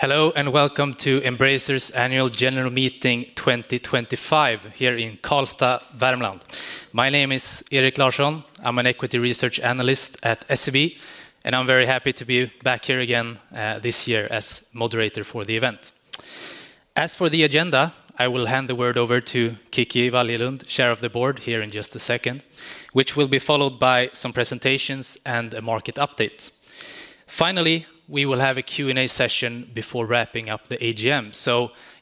Hello and welcome to Embracer Group AB's annual general meeting 2025 here in Karlstad, Värmland. My name is Erik Larsson. I'm an equity research analyst at SEB, and I'm very happy to be back here again this year as moderator for the event. As for the agenda, I will hand the word over to Kicki Wallilund, Chair of the Board, here in just a second, which will be followed by some presentations and a market update. Finally, we will have a Q&A session before wrapping up the AGM.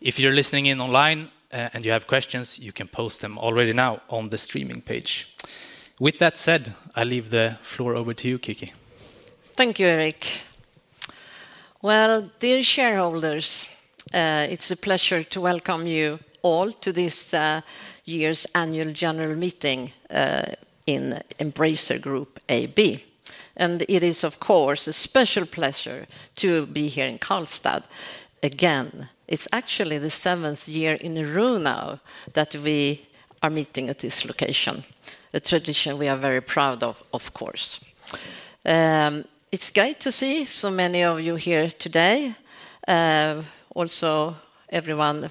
If you're listening in online and you have questions, you can post them already now on the streaming page. With that said, I leave the floor over to you, Kicki. Thank you, Erik. Dear shareholders, it's a pleasure to welcome you all to this year's annual general meeting in Embracer Group AB. It is, of course, a special pleasure to be here in Karlstad. It's actually the seventh year in a row now that we are meeting at this location, a tradition we are very proud of, of course. It's great to see so many of you here today, also everyone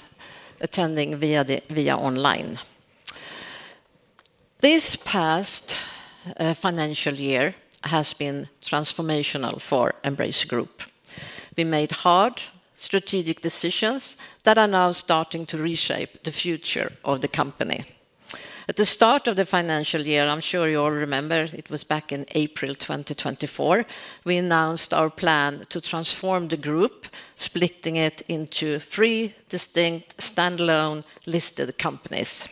attending via online. This past financial year has been transformational for Embracer Group. We made hard strategic decisions that are now starting to reshape the future of the company. At the start of the financial year, I'm sure you all remember, it was back in April 2024, we announced our plan to transform the group, splitting it into three distinct standalone listed companies.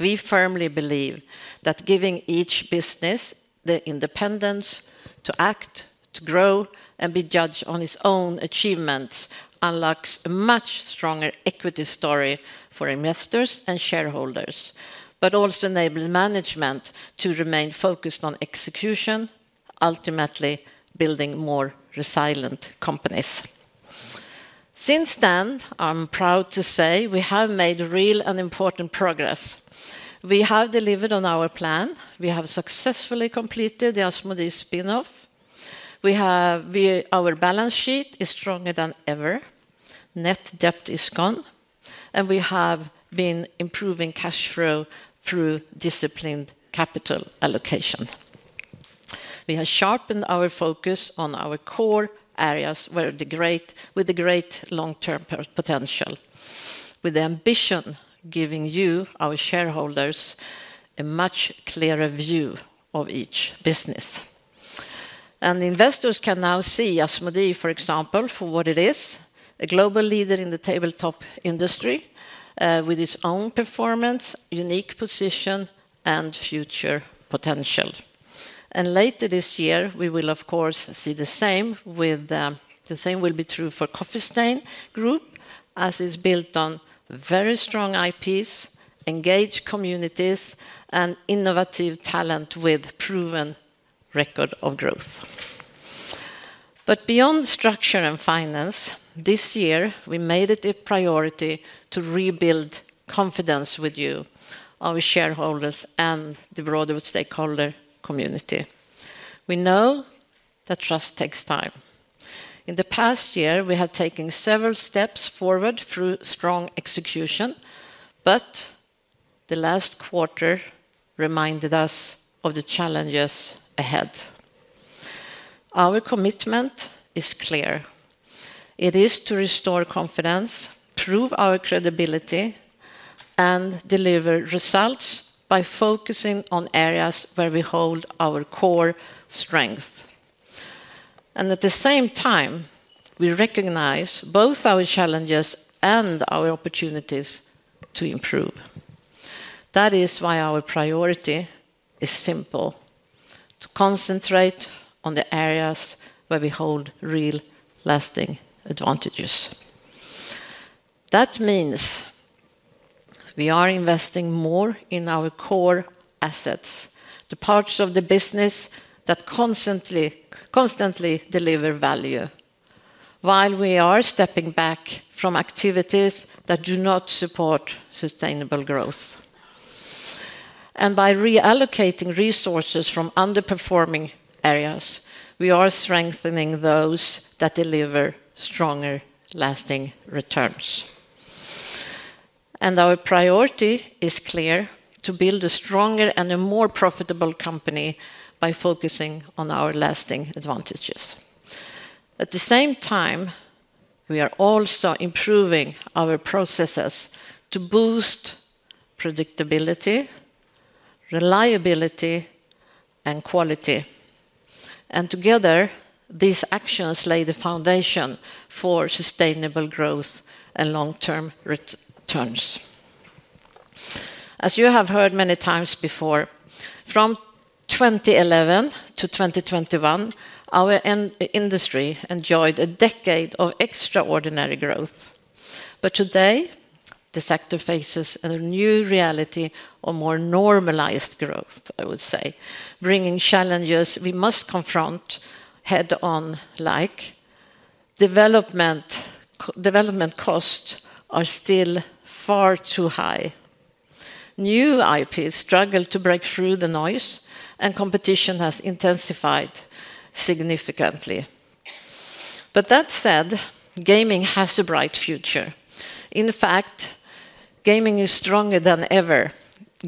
We firmly believe that giving each business the independence to act, to grow, and be judged on its own achievements unlocks a much stronger equity story for investors and shareholders, but also enables management to remain focused on execution, ultimately building more resilient companies. Since then, I'm proud to say we have made real and important progress. We have delivered on our plan. We have successfully completed the Asmodee spin-off. Our balance sheet is stronger than ever. Net debt is gone, and we have been improving cash flow through disciplined capital allocation. We have sharpened our focus on our core areas with great long-term potential, with the ambition of giving you, our shareholders, a much clearer view of each business. Investors can now see Asmodee, for example, for what it is: a global leader in the tabletop industry with its own performance, unique position, and future potential. Later this year, we will, of course, see the same. The same will be true for Coffee Stain Group, as it's built on very strong IPs, engaged communities, and innovative talent with a proven record of growth. Beyond structure and finance, this year, we made it a priority to rebuild confidence with you, our shareholders, and the broader stakeholder community. We know that trust takes time. In the past year, we have taken several steps forward through strong execution, but the last quarter reminded us of the challenges ahead. Our commitment is clear. It is to restore confidence, prove our credibility, and deliver results by focusing on areas where we hold our core strength. At the same time, we recognize both our challenges and our opportunities to improve. That is why our priority is simple: to concentrate on the areas where we hold real lasting advantages. That means we are investing more in our core assets, the parts of the business that constantly deliver value, while we are stepping back from activities that do not support sustainable growth. By reallocating resources from underperforming areas, we are strengthening those that deliver stronger, lasting returns. Our priority is clear: to build a stronger and a more profitable company by focusing on our lasting advantages. At the same time, we are also improving our processes to boost predictability, reliability, and quality. Together, these actions lay the foundation for sustainable growth and long-term returns. As you have heard many times before, from 2011 to 2021, our industry enjoyed a decade of extraordinary growth. Today, the sector faces a new reality of more normalized growth, I would say, bringing challenges we must confront head-on. Development costs are still far too high. New IPs struggle to break through the noise, and competition has intensified significantly. That said, gaming has a bright future. In fact, gaming is stronger than ever,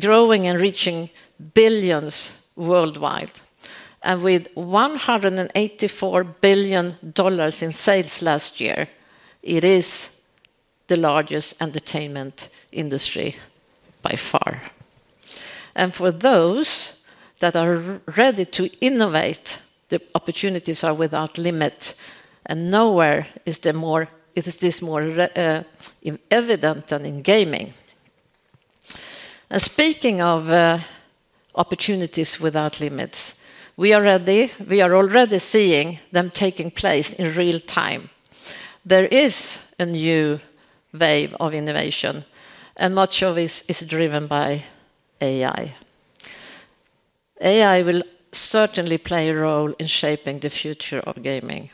growing and reaching billions worldwide. With $184 billion in sales last year, it is the largest entertainment industry by far. For those that are ready to innovate, the opportunities are without limit, and nowhere is this more evident than in gaming. Speaking of opportunities without limits, we are already seeing them taking place in real time. There is a new wave of innovation, and much of it is driven by AI. AI will certainly play a role in shaping the future of gaming.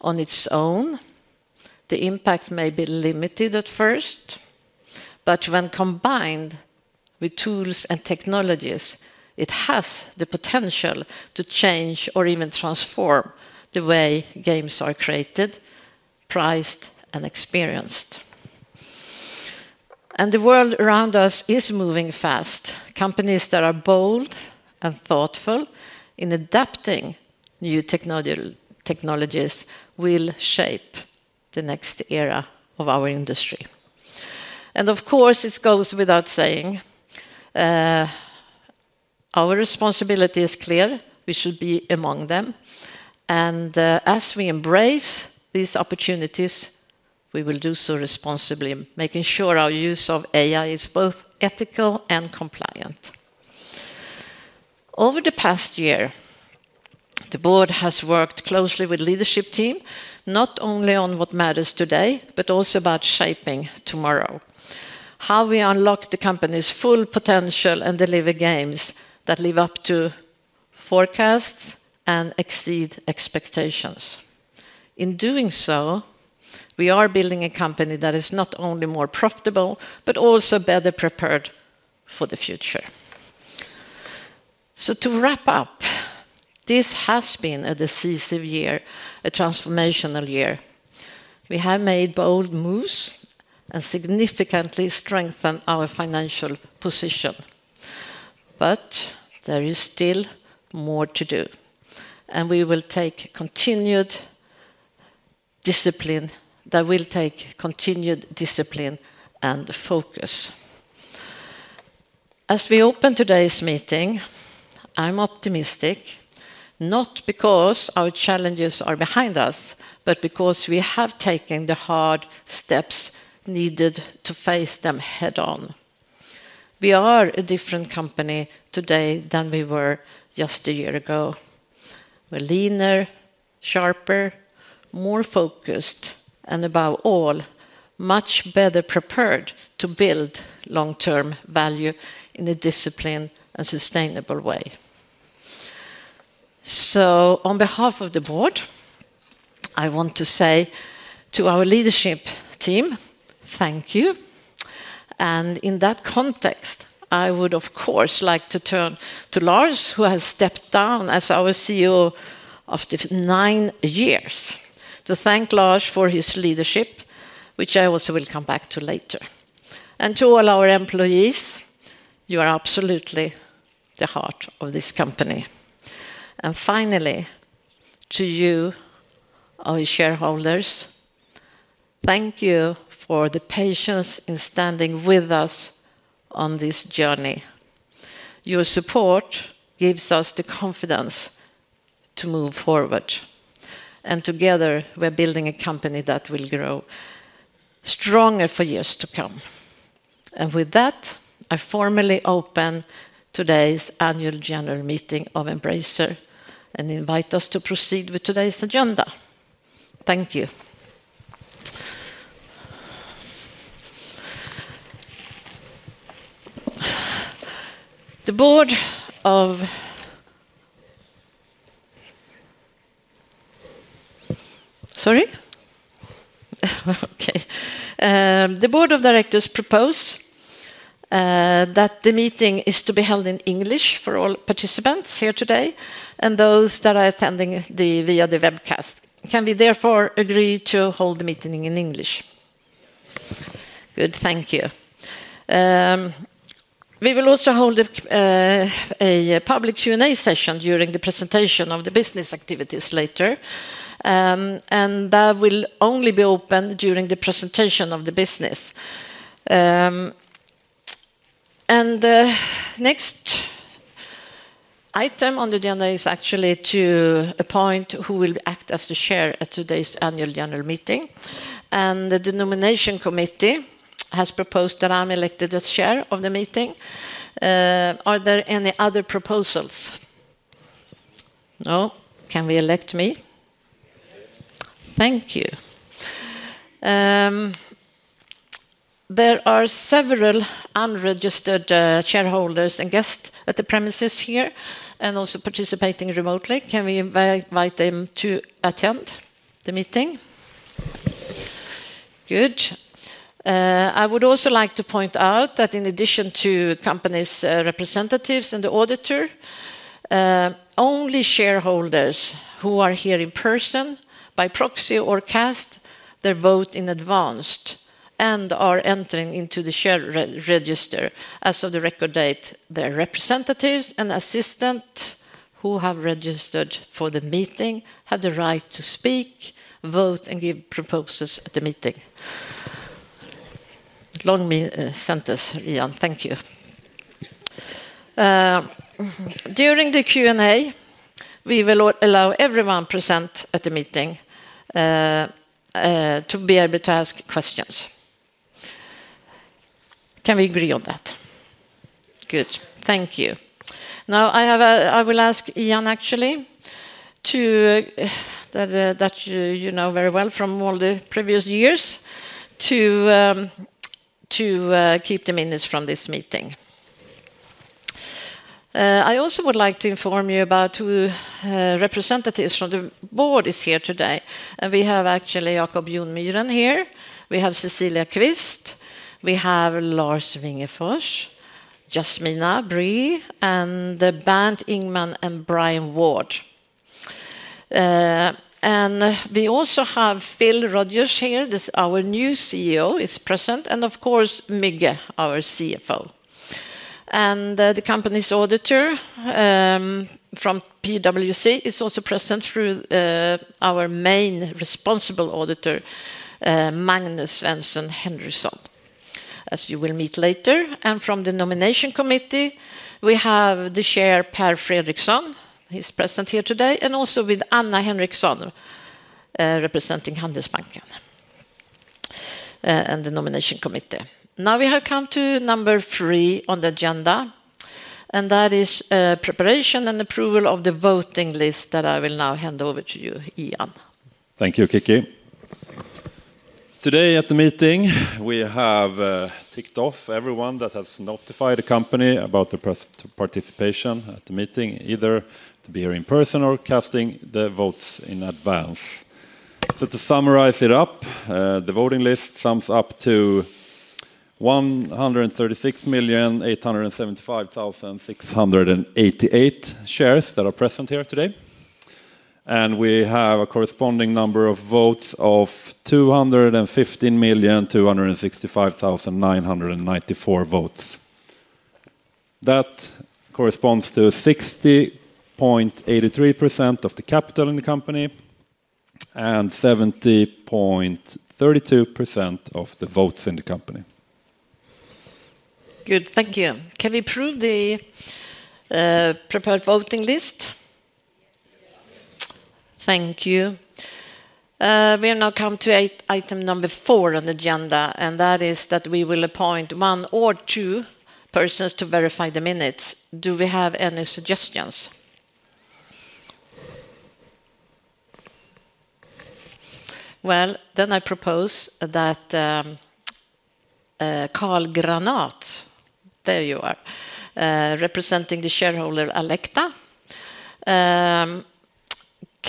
On its own, the impact may be limited at first, but when combined with tools and technologies, it has the potential to change or even transform the way games are created, priced, and experienced. The world around us is moving fast. Companies that are bold and thoughtful in adapting new technologies will shape the next era of our industry. Of course, this goes without saying, our responsibility is clear. We should be among them. As we embrace these opportunities, we will do so responsibly, making sure our use of AI is both ethical and compliant. Over the past year, the board has worked closely with the leadership team, not only on what matters today, but also about shaping tomorrow, how we unlock the company's full potential and deliver games that live up to forecasts and exceed expectations. In doing so, we are building a company that is not only more profitable, but also better prepared for the future. To wrap up, this has been a decisive year, a transformational year. We have made bold moves and significantly strengthened our financial position. There is still more to do, and we will take continued discipline and focus. As we open today's meeting, I'm optimistic, not because our challenges are behind us, but because we have taken the hard steps needed to face them head-on. We are a different company today than we were just a year ago. We're leaner, sharper, more focused, and above all, much better prepared to build long-term value in a disciplined and sustainable way. On behalf of the Board, I want to say to our leadership team, thank you. In that context, I would, of course, like to turn to Lars, who has stepped down as our CEO of the nine years, to thank Lars for his leadership, which I also will come back to later. To all our employees, you are absolutely the heart of this company. Finally, to you, our shareholders, thank you for the patience in standing with us on this journey. Your support gives us the confidence to move forward. Together, we're building a company that will grow stronger for years to come. With that, I formally open today's Annual General Meeting of Embracer and invite us to proceed with today's agenda. Thank you. The Board of... Sorry? Okay. The Board of Directors proposes that the meeting is to be held in English for all participants here today and those that are attending via the webcast. Can we therefore agree to hold the meeting in English? Good. Thank you. We will also hold a public Q&A session during the presentation of the business activities later. That will only be open during the presentation of the business. The next item on the agenda is actually to appoint who will act as the Chair at today's Annual General Meeting. The Nomination Committee has proposed that I'm elected as Chair of the meeting. Are there any other proposals? No. Can we elect me? Thank you. There are several unregistered shareholders and guests at the premises here and also participating remotely. Can we invite them to attend the meeting? Good. I would also like to point out that in addition to the company's representatives and the auditor, only shareholders who are here in person, by proxy, or cast their vote in advance, and are entered into the share register as of the record date, their representatives and assistants who have registered for the meeting have the right to speak, vote, and give proposals at the meeting. Long sentence, Ian. Thank you. During the Q&A, we will allow everyone present at the meeting to be able to ask questions. Can we agree on that? Good. Thank you. Now, I will ask Ian, actually, that you know very well from all the previous years, to keep the minutes from this meeting. I also would like to inform you about who representatives from the Board are here today. We have Jacob Joon Im here. We have Cecilia Quist. We have Lars Wingefors, Jasmina Bree, Bernt Ingman, and Brian Ward. We also have Phil Rogers here. Our new CEO is present. Of course, Müge, our CFO. The company's auditor from PwC is also present through our main responsible auditor, Magnus Svensson Henryson, as you will meet later. From the Nomination Committee, we have the Chair, Per-Arne Lundberg, who is present here today, and also Anna Ihre, representing Handelsbanken and the Nomination Committee. Now we have come to number three on the agenda, and that is preparation and approval of the voting list that I will now hand over to you, Ian. Thank you, Kicki. Today at the meeting, we have ticked off everyone that has notified the company about the participation at the meeting, either to be here in person or casting their votes in advance. To summarize it up, the voting list sums up to 136,875,688 shares that are present here today. We have a corresponding number of votes of 215,265,994 votes. That corresponds to 60.83% of the capital in the company and 70.32% of the votes in the company. Good. Thank you. Can we approve the prepared voting list? Thank you. We have now come to item number four on the agenda, and that is that we will appoint one or two persons to verify the minutes. Do we have any suggestions? I propose that Karl Granat, there you are, representing the shareholder elector,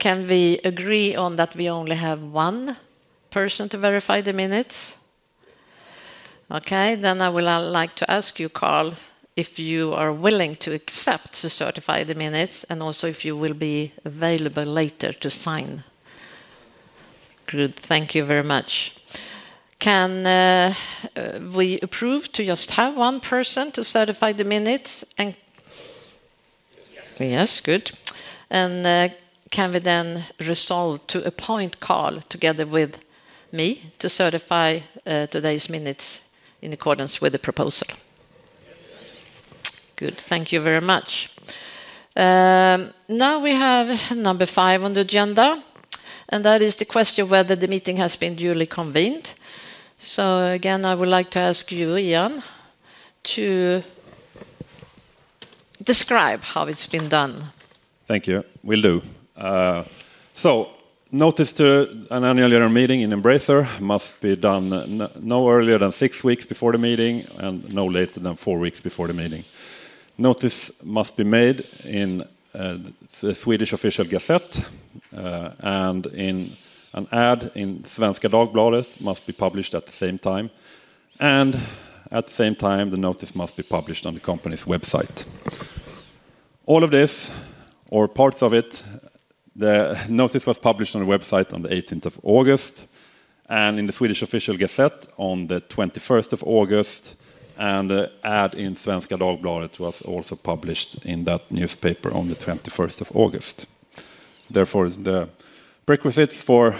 can we agree on that we only have one person to verify the minutes? Okay. I would like to ask you, Karl, if you are willing to accept to certify the minutes and also if you will be available later to sign. Good. Thank you very much. Can we approve to just have one person to certify the minutes? Yes, good. Can we then resolve to appoint Karl together with me to certify today's minutes in accordance with the proposal? Good. Thank you very much. Now we have number five on the agenda, and that is the question of whether the meeting has been duly convened. I would like to ask you, Ian, to describe how it's been done. Thank you. Will do. Notice to an annual meeting in Embracer must be done no earlier than six weeks before the meeting and no later than four weeks before the meeting. Notice must be made in the Swedish Official Gazette, and an ad in Svenska Dagbladet must be published at the same time. At the same time, the notice must be published on the company's website. All of this, or parts of it, the notice was published on the website on the 18th of August, in the Swedish Official Gazette on the 21st of August, and the ad in Svenska Dagbladet was also published in that newspaper on the 21st of August. Therefore, the prerequisites for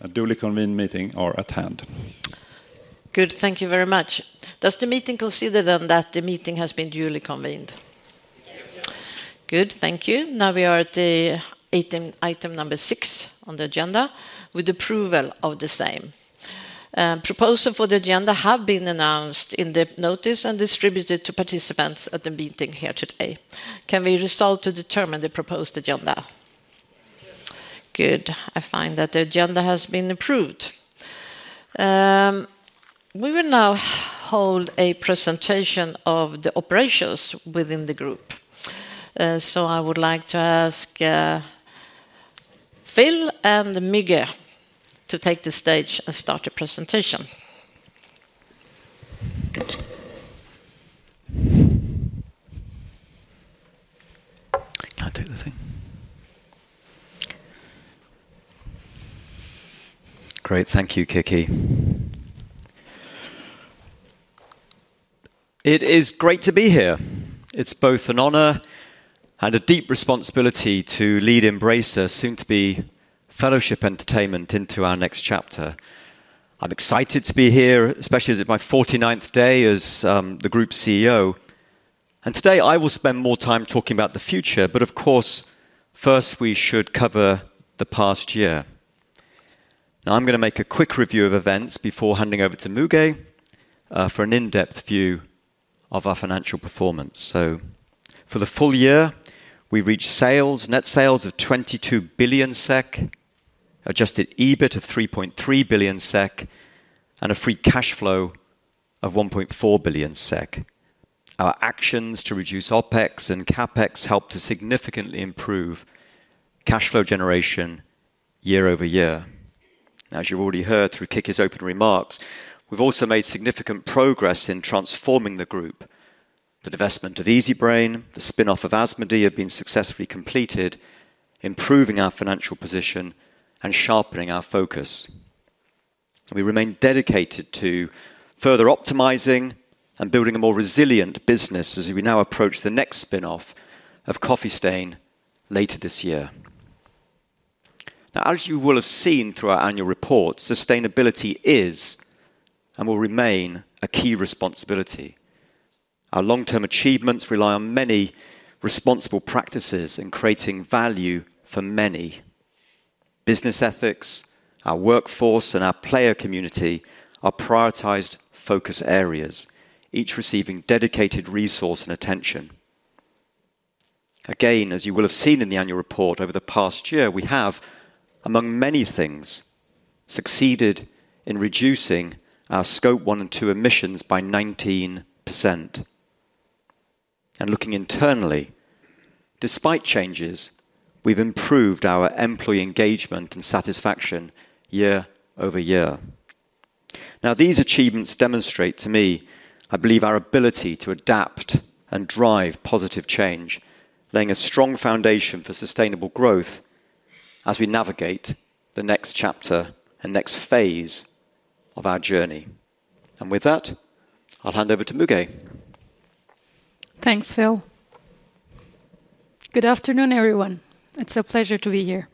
a duly convened meeting are at hand. Good. Thank you very much. Does the meeting consider then that the meeting has been duly convened? Good. Thank you. Now we are at item number six on the agenda with approval of the same. Proposals for the agenda have been announced in the notice and distributed to participants at the meeting here today. Can we resolve to determine the proposed agenda? Good. I find that the agenda has been approved. We will now hold a presentation of the operations within the group. I would like to ask Phil and Müge to take the stage and start the presentation. I'll take the stage. Great. Thank you, Kicki. It is great to be here. It's both an honor and a deep responsibility to lead Embracer, soon-to-be Fellowship Entertainment, into our next chapter. I'm excited to be here, especially as it's my 49th day as the Group CEO. Today, I will spend more time talking about the future. Of course, first we should cover the past year. Now I'm going to make a quick review of events before handing over to Müge for an in-depth view of our financial performance. For the full year, we reached net sales of 22 billion SEK, adjusted EBIT of 3.3 billion SEK, and a free cash flow of 1.4 billion SEK. Our actions to reduce OpEx and CapEx helped to significantly improve cash flow generation year over year. As you've already heard through Kicki's open remarks, we've also made significant progress in transforming the group. The divestment of Easybrain and the spin-off of Asmodee Group have been successfully completed, improving our financial position and sharpening our focus. We remain dedicated to further optimizing and building a more resilient business as we now approach the next spin-off of Coffee Stain later this year. As you will have seen through our annual reports, sustainability is and will remain a key responsibility. Our long-term achievements rely on many responsible practices in creating value for many. Business ethics, our workforce, and our player community are prioritized focus areas, each receiving dedicated resource and attention. As you will have seen in the annual report over the past year, we have, among many things, succeeded in reducing our Scope 1 and 2 emissions by 19%. Looking internally, despite changes, we've improved our employee engagement and satisfaction year over year. These achievements demonstrate to me, I believe, our ability to adapt and drive positive change, laying a strong foundation for sustainable growth as we navigate the next chapter and next phase of our journey. With that, I'll hand over to Müge. Thanks, Phil. Good afternoon, everyone. It's a pleasure to be here.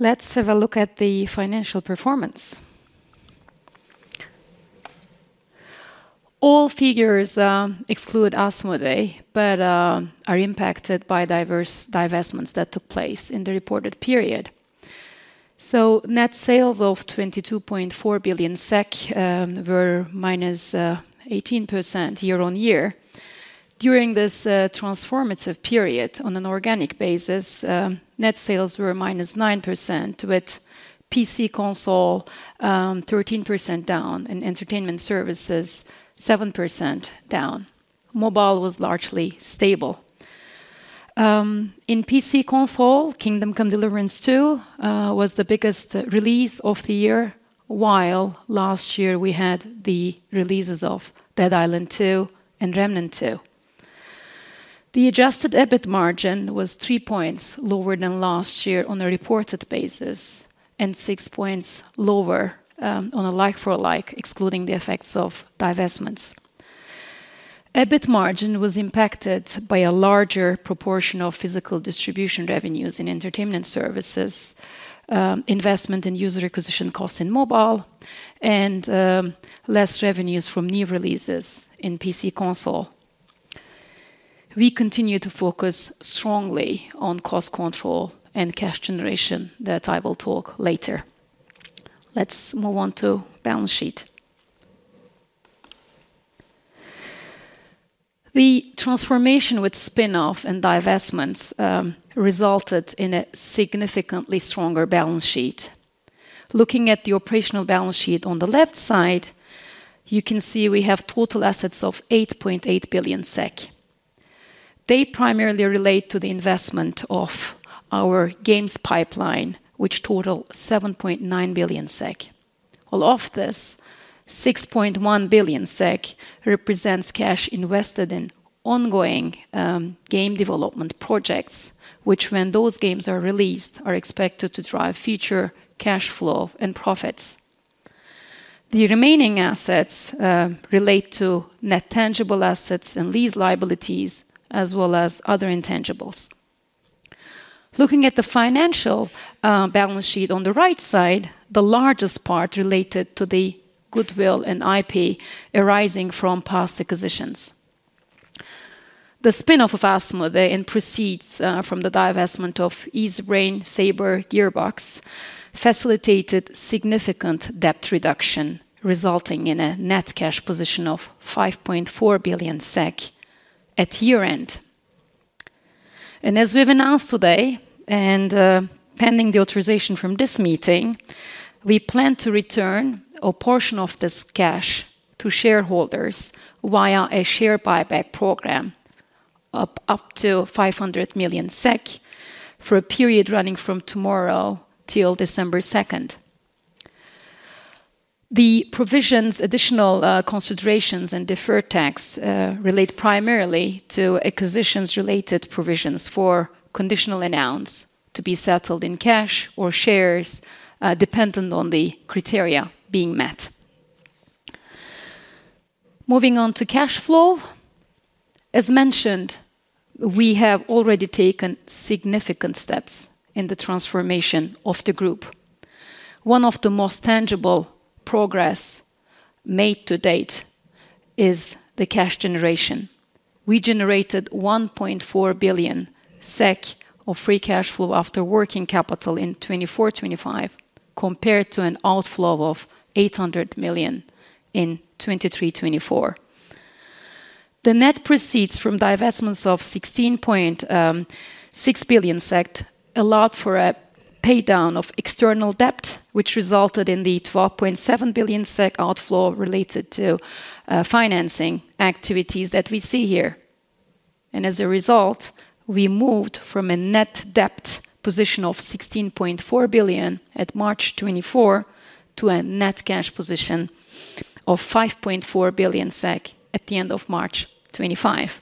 Let's have a look at the financial performance. All figures exclude Asmodee, but are impacted by diverse divestments that took place in the reported period. Net sales of 22.4 billion SEK were -18% year on year. During this transformative period, on an organic basis, net sales were -9%, with PC console 13% down and entertainment services 7% down. Mobile was largely stable. In PC console, Kingdom Come: Deliverance II was the biggest release of the year, while last year we had the releases of Dead Island 2 and Remnant 2. The adjusted EBIT margin was three points lower than last year on a reported basis and six points lower on a like-for-like, excluding the effects of divestments. EBIT margin was impacted by a larger proportion of physical distribution revenues in entertainment services, investment in user acquisition costs in mobile, and less revenues from new releases in PC console. We continue to focus strongly on cost control and cash generation that I will talk about later. Let's move on to the balance sheet. The transformation with spin-off and divestments resulted in a significantly stronger balance sheet. Looking at the operational balance sheet on the left side, you can see we have total assets of 8.8 billion SEK. They primarily relate to the investment of our games pipeline, which totals 7.9 billion SEK. All of this, 6.1 billion SEK represents cash invested in ongoing game development projects, which, when those games are released, are expected to drive future cash flow and profits. The remaining assets relate to net tangible assets and lease liabilities, as well as other intangibles. Looking at the financial balance sheet on the right side, the largest part related to the goodwill and IP arising from past acquisitions. The spin-off of Asmodee and proceeds from the divestment of Easybrain, Saber, Gearbox facilitated significant debt reduction, resulting in a net cash position of 5.4 billion SEK at year-end. As we've announced today, and pending the authorization from this meeting, we plan to return a portion of this cash to shareholders via a share buyback program of up to 500 million SEK for a period running from tomorrow till December 2. The provisions, additional considerations, and deferred tax relate primarily to acquisitions-related provisions for conditional amounts to be settled in cash or shares, dependent on the criteria being met. Moving on to cash flow, as mentioned, we have already taken significant steps in the transformation of the group. One of the most tangible progress made to date is the cash generation. We generated 1.4 billion SEK of free cash flow after working capital in 2024/2025, compared to an outflow of 800 million in 2023/2024. The net proceeds from divestments of 16.6 billion allowed for a paydown of external debt, which resulted in the 12.7 billion SEK outflow related to financing activities that we see here. As a result, we moved from a net debt position of 16.4 billion at March 2024 to a net cash position of 5.4 billion SEK at the end of March 2025.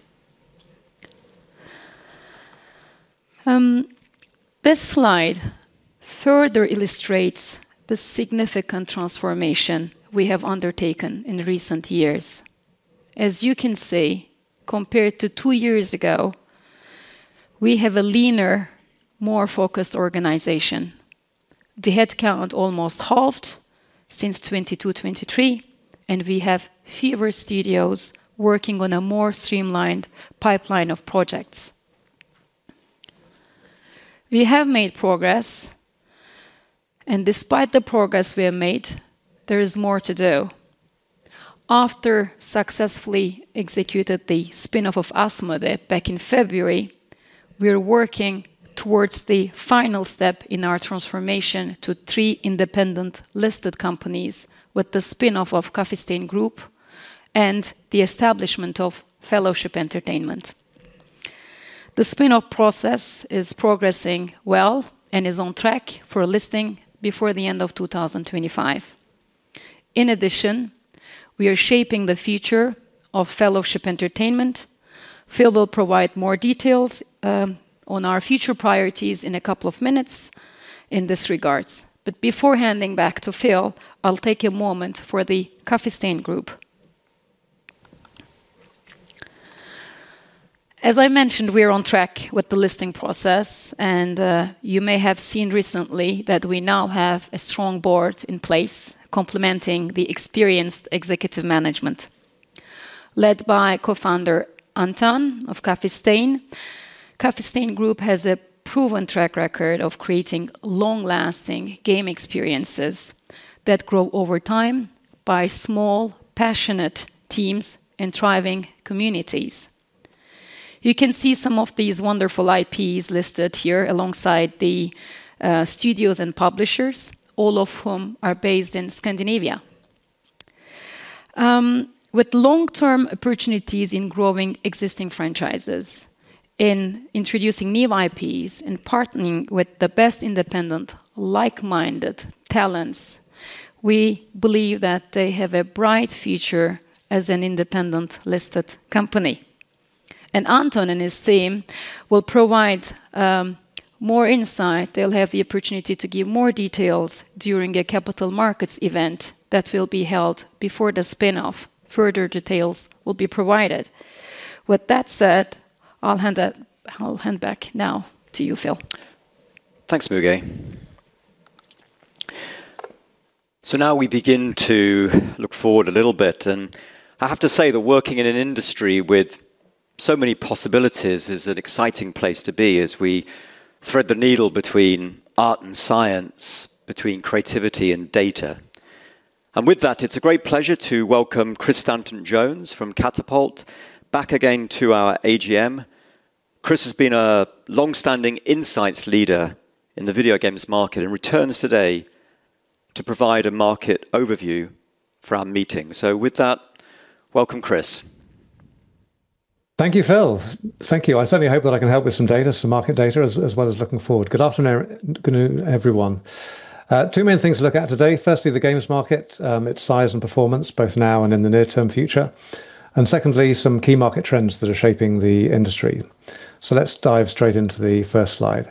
This slide further illustrates the significant transformation we have undertaken in recent years. As you can see, compared to two years ago, we have a leaner, more focused organization. The headcount almost halved since 2022/2023, and we have fewer studios working on a more streamlined pipeline of projects. We have made progress, and despite the progress we have made, there is more to do. After successfully executing the spin-off of Asmodee Group back in February, we're working towards the final step in our transformation to three independent listed companies with the spin-off of Coffee Stain Group and the establishment of Fellowship Entertainment. The spin-off process is progressing well and is on track for a listing before the end of 2025. In addition, we are shaping the future of Fellowship Entertainment. Phil will provide more details on our future priorities in a couple of minutes in this regard. Before handing back to Phil, I'll take a moment for the Coffee Stain Group. As I mentioned, we're on track with the listing process, and you may have seen recently that we now have a strong board in place complementing the experienced executive management. Led by Co-Founder Anton Westbergh of Coffee Stain, Coffee Stain Group has a proven track record of creating long-lasting game experiences that grow over time by small, passionate teams and thriving communities. You can see some of these wonderful IPs listed here alongside the studios and publishers, all of whom are based in Scandinavia. With long-term opportunities in growing existing franchises, in introducing new IPs, and partnering with the best independent, like-minded talents, we believe that they have a bright future as an independent listed company. Anton and his team will provide more insight. They'll have the opportunity to give more details during a capital markets event that will be held before the spin-off. Further details will be provided. With that said, I'll hand back now to you, Phil. Thanks, Müge. Now we begin to look forward a little bit. I have to say that working in an industry with so many possibilities is an exciting place to be as we thread the needle between art and science, between creativity and data. With that, it's a great pleasure to welcome Chris Danton-Jones from Catapult back again to our AGM. Chris has been a longstanding insights leader in the video games market and returns today to provide a market overview for our meeting. With that, welcome, Chris. Thank you, Phil. Thank you. I certainly hope that I can help with some data, some market data as well as looking forward. Good afternoon, everyone. Two main things to look at today. Firstly, the games market, its size and performance, both now and in the near-term future. Secondly, some key market trends that are shaping the industry. Let's dive straight into the first slide.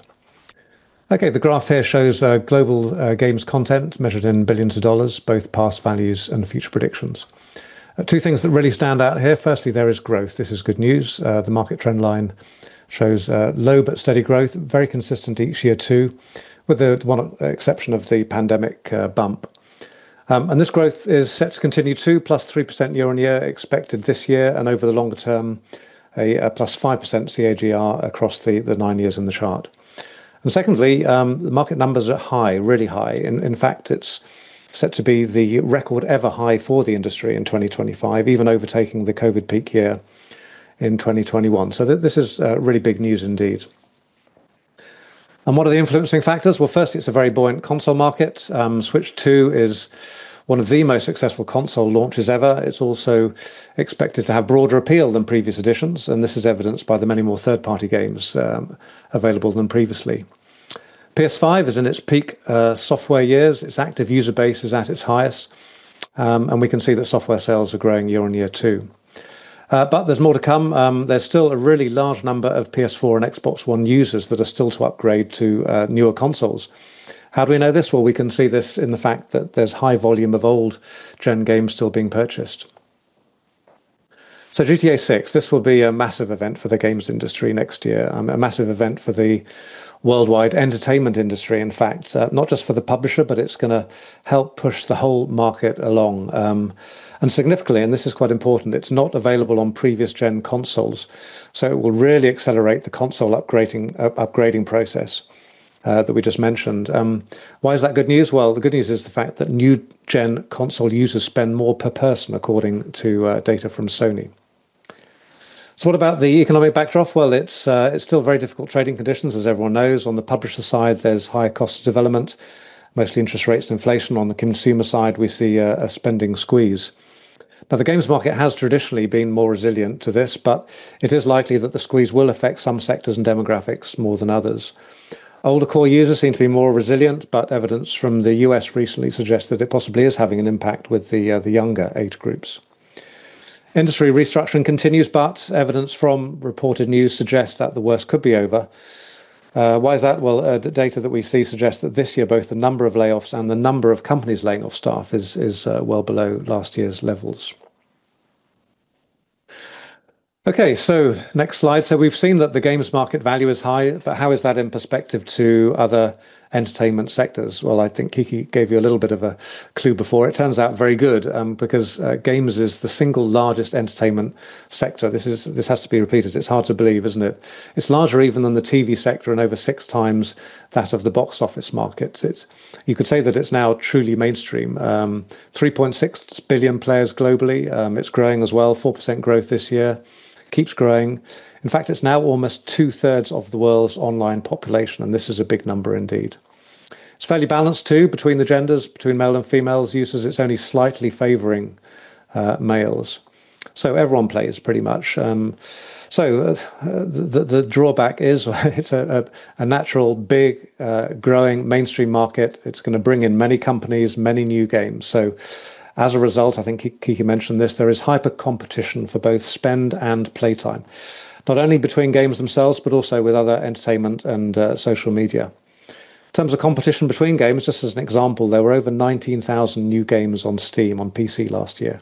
The graph here shows global games content measured in billions of dollars, both past values and future predictions. Two things that really stand out here. Firstly, there is growth. This is good news. The market trend line shows low but steady growth, very consistent each year too, with the one exception of the pandemic bump. This growth is set to continue to +3% year on year expected this year, and over the longer term, a +5% CAGR across the nine years in the chart. Secondly, the market numbers are high, really high. In fact, it's set to be the record ever high for the industry in 2025, even overtaking the COVID peak here in 2021. This is really big news indeed. What are the influencing factors? First, it's a very buoyant console market. Switch 2 is one of the most successful console launches ever. It's also expected to have broader appeal than previous editions, and this is evidenced by the many more third-party games available than previously. PS5 is in its peak software years. Its active user base is at its highest, and we can see that software sales are growing year on year too. There's more to come. There's still a really large number of PS4 and Xbox One users that are still to upgrade to newer consoles. How do we know this? We can see this in the fact that there's a high volume of old-gen games still being purchased. GTA 6 will be a massive event for the games industry next year, a massive event for the worldwide entertainment industry, in fact, not just for the publisher, but it's going to help push the whole market along. Significantly, and this is quite important, it's not available on previous-gen consoles. It will really accelerate the console upgrading process that we just mentioned. Why is that good news? The good news is the fact that new-gen console users spend more per person, according to data from Sony. What about the economic backdrop? It's still very difficult trading conditions, as everyone knows. On the publisher side, there's high cost of development, mostly interest rates and inflation. On the consumer side, we see a spending squeeze. The games market has traditionally been more resilient to this, but it is likely that the squeeze will affect some sectors and demographics more than others. Older core users seem to be more resilient, but evidence from the U.S. recently suggests that it possibly is having an impact with the younger age groups. Industry restructuring continues, but evidence from reported news suggests that the worst could be over. Why is that? The data that we see suggests that this year, both the number of layoffs and the number of companies laying off staff is well below last year's levels. Next slide. We've seen that the games market value is high, but how is that in perspective to other entertainment sectors? I think Kicki gave you a little bit of a clue before. It turns out very good because games is the single largest entertainment sector. This has to be repeated. It's hard to believe, isn't it? It's larger even than the TV sector and over six times that of the box office markets. You could say that it's now truly mainstream. 3.6 billion players globally. It's growing as well. 4% growth this year. It keeps growing. In fact, it's now almost two-thirds of the world's online population, and this is a big number indeed. It's fairly balanced too between the genders, between male and female users. It's only slightly favoring males. Everyone plays pretty much. The drawback is it's a natural, big, growing mainstream market. It's going to bring in many companies, many new games. As a result, I think Kicki mentioned this, there is hyper-competition for both spend and playtime, not only between games themselves, but also with other entertainment and social media. In terms of competition between games, just as an example, there were over 19,000 new games on Steam on PC last year.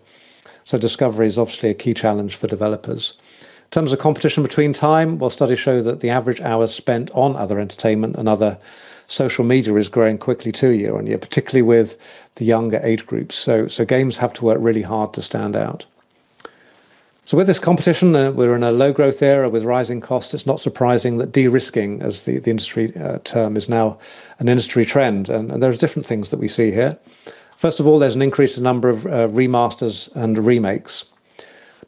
Discovery is obviously a key challenge for developers. In terms of competition between time, studies show that the average hours spent on other entertainment and other social media is growing quickly too year on year, particularly with the younger age groups. Games have to work really hard to stand out. With this competition, we're in a low-growth era with rising costs. It's not surprising that de-risking, as the industry term is now, is an industry trend. There are different things that we see here. First of all, there's an increase in the number of remasters and remakes.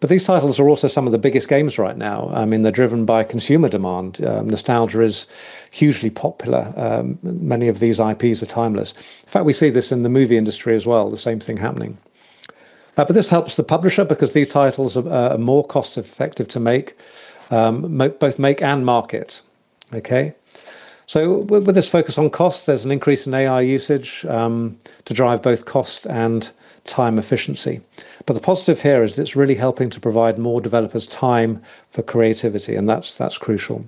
These titles are also some of the biggest games right now. I mean, they're driven by consumer demand. Nostalgia is hugely popular. Many of these IPs are timeless. In fact, we see this in the movie industry as well, the same thing happening. This helps the publisher because these titles are more cost-effective to make, both make and market. With this focus on cost, there's an increase in AI usage to drive both cost and time efficiency. The positive here is it's really helping to provide more developers time for creativity, and that's crucial.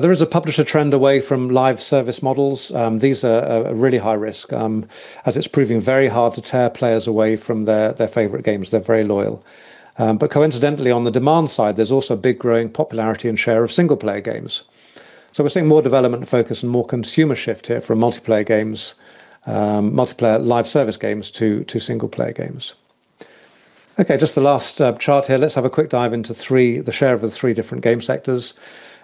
There is a publisher trend away from live service models. These are really high risk, as it's proving very hard to tear players away from their favorite games. They're very loyal. Coincidentally, on the demand side, there's also a big growing popularity and share of single-player games. We're seeing more development focus and more consumer shift here from multiplayer games, multiplayer live service games to single-player games. Just the last chart here. Let's have a quick dive into the share of the three different game sectors.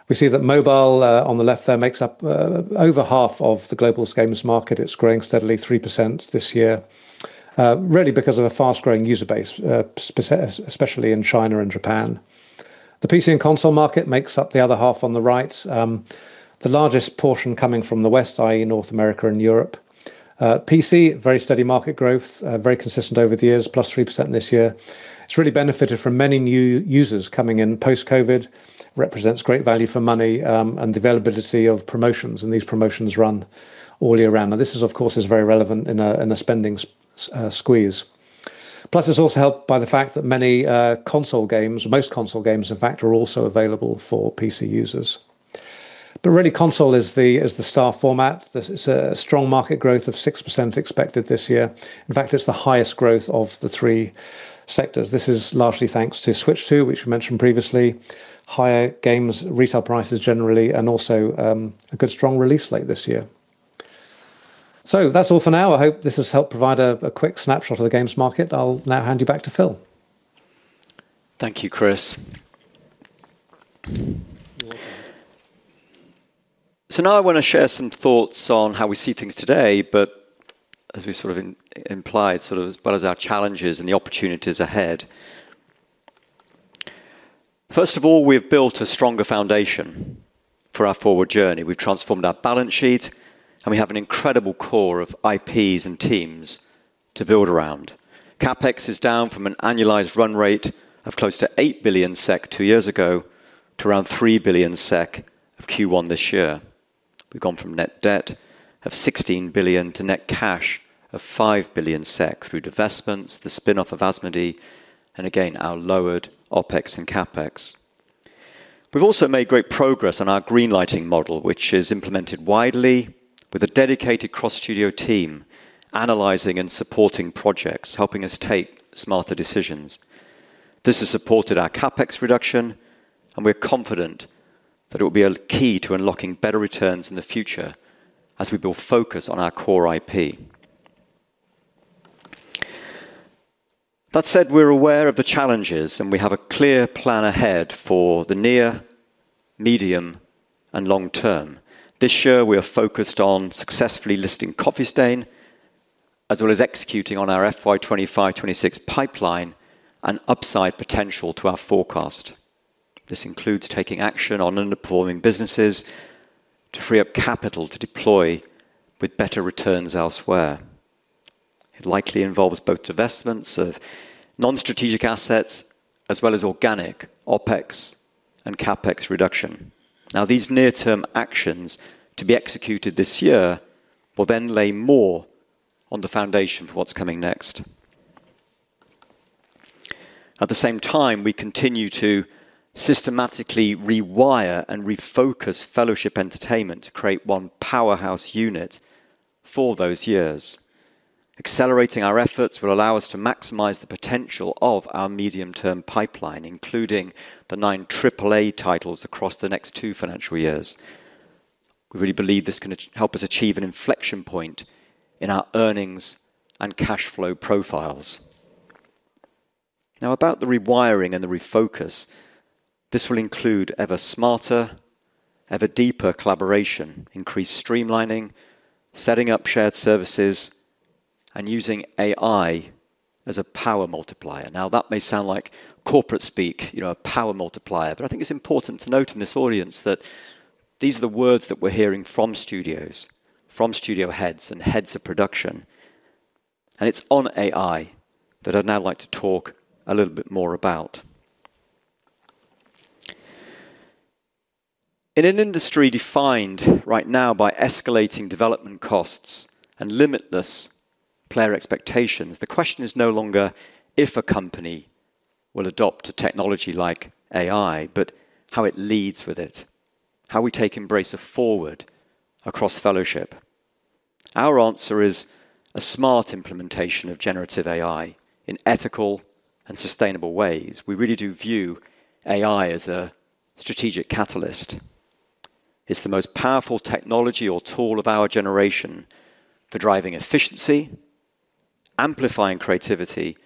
We see that mobile on the left there makes up over half of the global games market. It's growing steadily, 3% this year, really because of a fast-growing user base, especially in China and Japan. The PC and console market makes up the other half on the right, the largest portion coming from the West, i.e., North America and Europe. PC, very steady market growth, very consistent over the years, plus 3% this year. It's really benefited from many new users coming in post-COVID. It represents great value for money and the availability of promotions, and these promotions run all year round. This is, of course, very relevant in a spending squeeze. Plus, it's also helped by the fact that many console games, most console games, in fact, are also available for PC users. Console is the star format. It's a strong market growth of 6% expected this year. In fact, it's the highest growth of the three sectors. This is largely thanks to Switch 2, which we mentioned previously, higher games retail prices generally, and also a good strong release late this year. That's all for now. I hope this has helped provide a quick snapshot of the games market. I'll now hand you back to Phil. Thank you, Chris. Now I want to share some thoughts on how we see things today, as well as our challenges and the opportunities ahead. First of all, we've built a stronger foundation for our forward journey. We've transformed our balance sheet, and we have an incredible core of IPs and teams to build around. CapEx is down from an annualized run rate of close to 8 billion SEK two years ago to around 3 billion SEK as of Q1 this year. We've gone from net debt of 16 billion to net cash of 5 billion SEK through divestments, the spin-off of Asmodee Group, and our lowered OpEx and CapEx. We've also made great progress on our greenlighting model, which is implemented widely with a dedicated cross-studio team analyzing and supporting projects, helping us take smarter decisions. This has supported our CapEx reduction, and we're confident that it will be a key to unlocking better returns in the future as we build focus on our core IP. That said, we're aware of the challenges, and we have a clear plan ahead for the near, medium, and long term. This year, we are focused on successfully listing Coffee Stain as well as executing on our FY25-26 pipeline and upside potential to our forecast. This includes taking action on underperforming businesses to free up capital to deploy with better returns elsewhere. It likely involves both divestments of non-strategic assets as well as organic OpEx and CapEx reduction. These near-term actions to be executed this year will then lay more on the foundation for what's coming next. At the same time, we continue to systematically rewire and refocus Fellowship Entertainment to create one powerhouse unit for those years. Accelerating our efforts will allow us to maximize the potential of our medium-term pipeline, including the nine AAA titles across the next two financial years. We really believe this can help us achieve an inflection point in our earnings and cash flow profiles. About the rewiring and the refocus, this will include ever smarter, ever deeper collaboration, increased streamlining, setting up shared services, and using AI as a power multiplier. That may sound like corporate speak, you know, a power multiplier, but I think it's important to note in this audience that these are the words that we're hearing from studios, from studio heads, and heads of production. It's on AI that I'd now like to talk a little bit more about. In an industry defined right now by escalating development costs and limitless player expectations, the question is no longer if a company will adopt a technology like AI, but how it leads with it, how we take Embracer forward across Fellowship. Our answer is a smart implementation of generative AI in ethical and sustainable ways. We really do view AI as a strategic catalyst. It's the most powerful technology or tool of our generation for driving efficiency, amplifying creativity,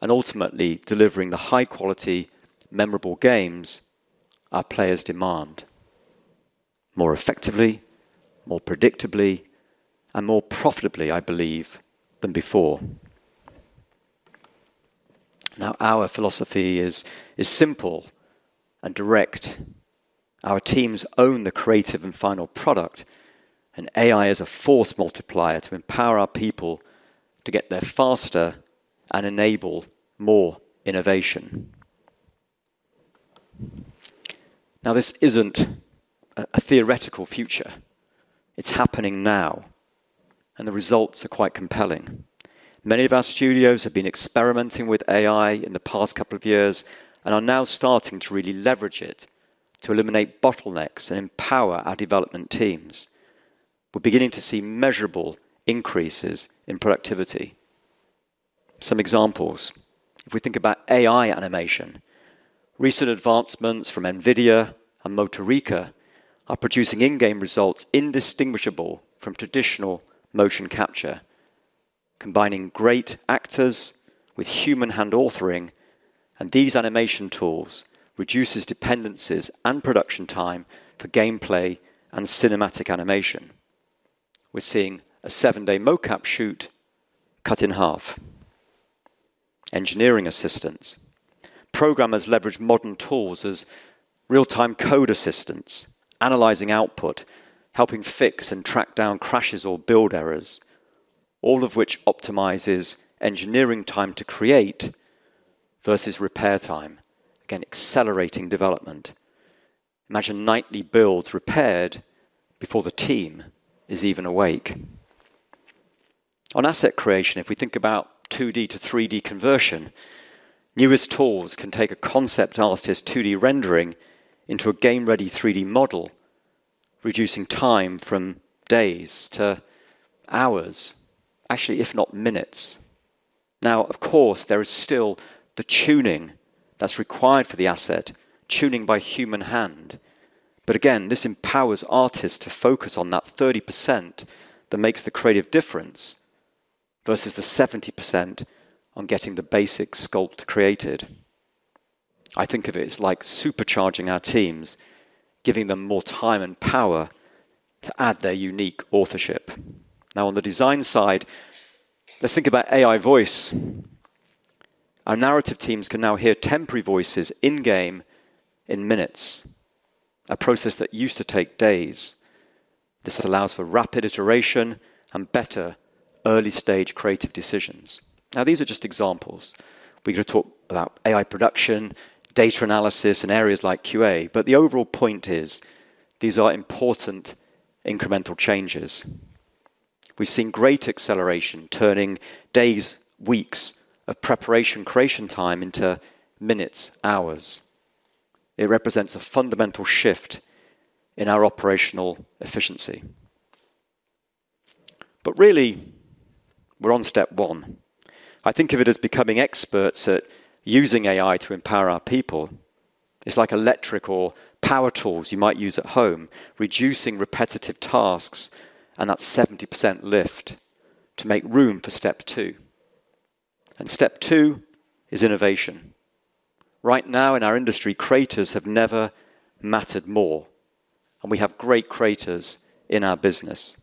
and ultimately delivering the high-quality, memorable games our players demand more effectively, more predictably, and more profitably, I believe, than before. Now, our philosophy is simple and direct. Our teams own the creative and final product, and AI is a force multiplier to empower our people to get there faster and enable more innovation. This isn't a theoretical future. It's happening now, and the results are quite compelling. Many of our studios have been experimenting with AI in the past couple of years and are now starting to really leverage it to eliminate bottlenecks and empower our development teams. We're beginning to see measurable increases in productivity. Some examples. If we think about AI animation, recent advancements from NVIDIA and Motorika are producing in-game results indistinguishable from traditional motion capture, combining great actors with human hand authoring, and these animation tools reduce dependencies and production time for gameplay and cinematic animation. We're seeing a seven-day mocap shoot cut in half. Engineering assistance. Programmers leverage modern tools as real-time code assistants, analyzing output, helping fix and track down crashes or build errors, all of which optimizes engineering time to create versus repair time, again, accelerating development. Imagine nightly builds repaired before the team is even awake. On asset creation, if we think about 2D to 3D conversion, newest tools can take a concept artist's 2D rendering into a game-ready 3D model, reducing time from days to hours, actually, if not minutes. Of course, there is still the tuning that's required for the asset, tuning by human hand. Again, this empowers artists to focus on that 30% that makes the creative difference versus the 70% on getting the basic sculpt created. I think of it as like supercharging our teams, giving them more time and power to add their unique authorship. On the design side, let's think about AI voice. Our narrative teams can now hear temporary voices in-game in minutes, a process that used to take days. This allows for rapid iteration and better early-stage creative decisions. These are just examples. We are going to talk about AI production, data analysis, and areas like QA, but the overall point is these are important incremental changes. We have seen great acceleration turning days, weeks of preparation creation time into minutes, hours. It represents a fundamental shift in our operational efficiency. We are on step one. I think of it as becoming experts at using AI to empower our people. It is like electric or power tools you might use at home, reducing repetitive tasks, and that 70% lift to make room for step two. Step two is innovation. Right now, in our industry, creators have never mattered more, and we have great creators in our business.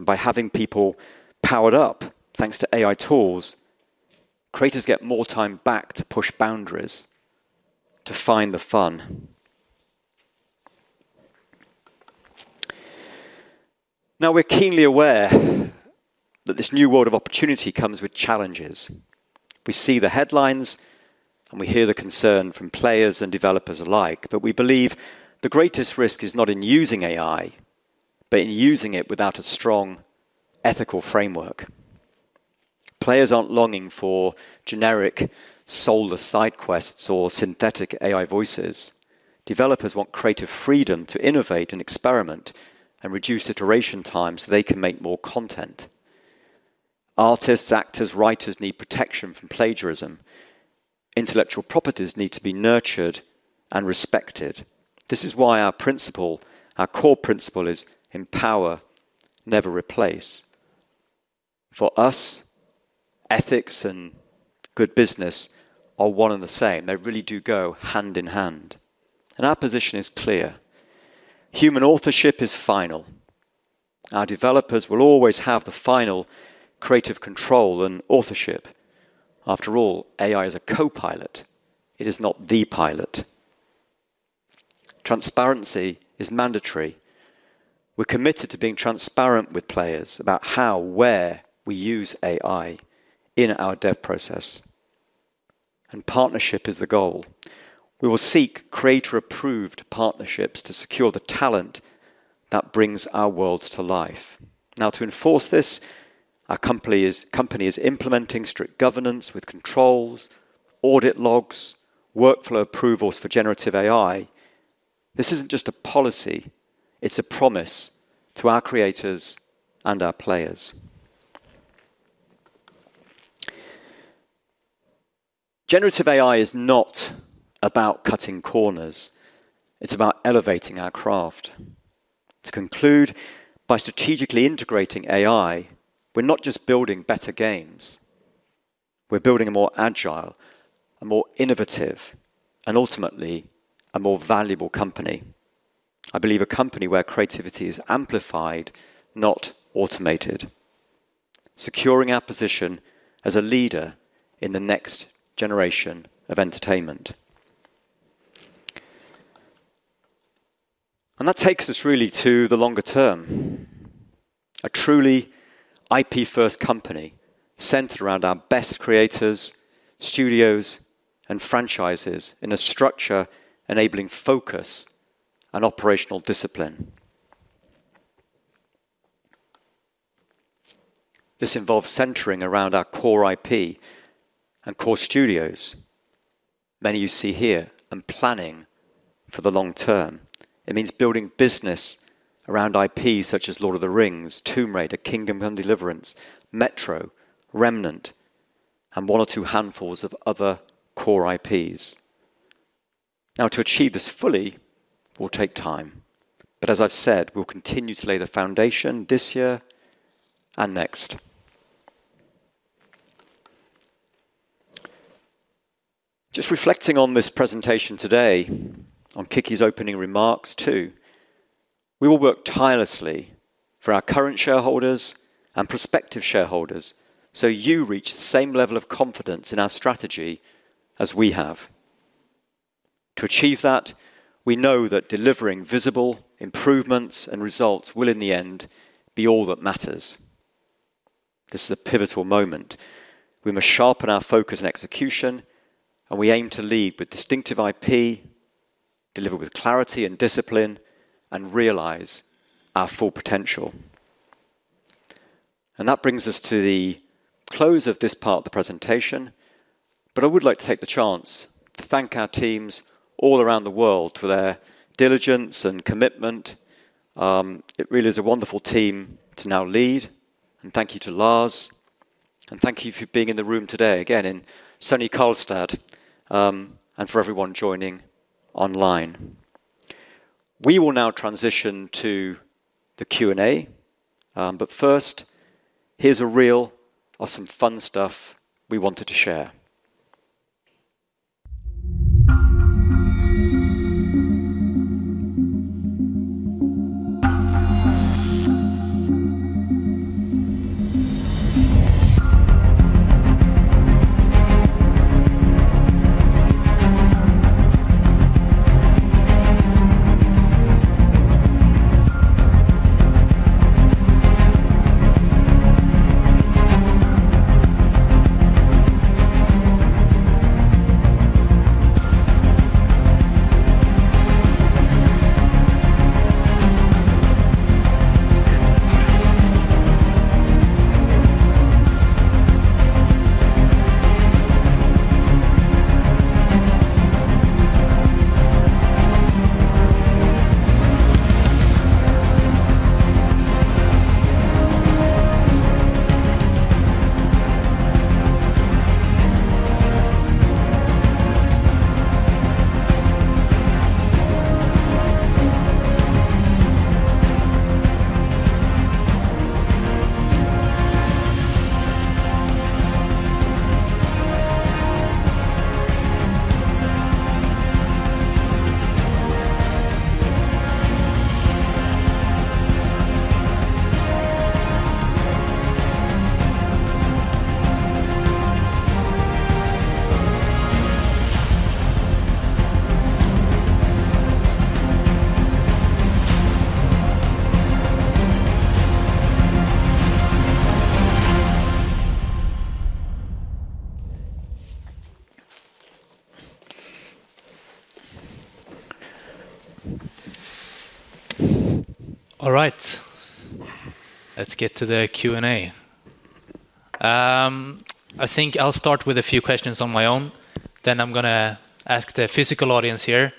By having people powered up thanks to AI tools, creators get more time back to push boundaries, to find the fun. We are keenly aware that this new world of opportunity comes with challenges. We see the headlines, and we hear the concern from players and developers alike, but we believe the greatest risk is not in using AI, but in using it without a strong ethical framework. Players are not longing for generic soulless side quests or synthetic AI voices. Developers want creative freedom to innovate and experiment and reduce iteration times so they can make more content. Artists, actors, writers need protection from plagiarism. Intellectual properties need to be nurtured and respected. This is why our principle, our core principle, is empower, never replace. For us, ethics and good business are one and the same. They really do go hand in hand. Our position is clear. Human authorship is final. Our developers will always have the final creative control and authorship. After all, AI is a copilot. It is not the pilot. Transparency is mandatory. We are committed to being transparent with players about how, where we use AI in our dev process. Partnership is the goal. We will seek creator-approved partnerships to secure the talent that brings our worlds to life. To enforce this, our company is implementing strict governance with controls, audit logs, workflow approvals for generative AI. This is not just a policy. It is a promise to our creators and our players. Generative AI is not about cutting corners. It is about elevating our craft. To conclude, by strategically integrating AI, we're not just building better games. We're building a more agile, more innovative, and ultimately a more valuable company. I believe a company where creativity is amplified, not automated, securing our position as a leader in the next generation of entertainment. That takes us really to the longer term, a truly IP-first company centered around our best creators, studios, and franchises in a structure enabling focus and operational discipline. This involves centering around our core IP and core studios, many you see here, and planning for the long term. It means building business around IPs such as Lord of the Rings, Tomb Raider, Kingdom Come: Deliverance, Metro, Remnant, and one or two handfuls of other core IPs. Now, to achieve this fully will take time. As I've said, we'll continue to lay the foundation this year and next. Just reflecting on this presentation today, on Kicki's opening remarks too, we will work tirelessly for our current shareholders and prospective shareholders so you reach the same level of confidence in our strategy as we have. To achieve that, we know that delivering visible improvements and results will, in the end, be all that matters. This is a pivotal moment. We must sharpen our focus and execution, and we aim to lead with distinctive IP, deliver with clarity and discipline, and realize our full potential. That brings us to the close of this part of the presentation. I would like to take the chance to thank our teams all around the world for their diligence and commitment. It really is a wonderful team to now lead. Thank you to Lars. Thank you for being in the room today, again, in sunny Karlstad, and for everyone joining online. We will now transition to the Q&A. First, here's a real awesome fun stuff we wanted to share. All right. Let's get to the Q&A. I think I'll start with a few questions on my own. I'm going to ask the physical audience here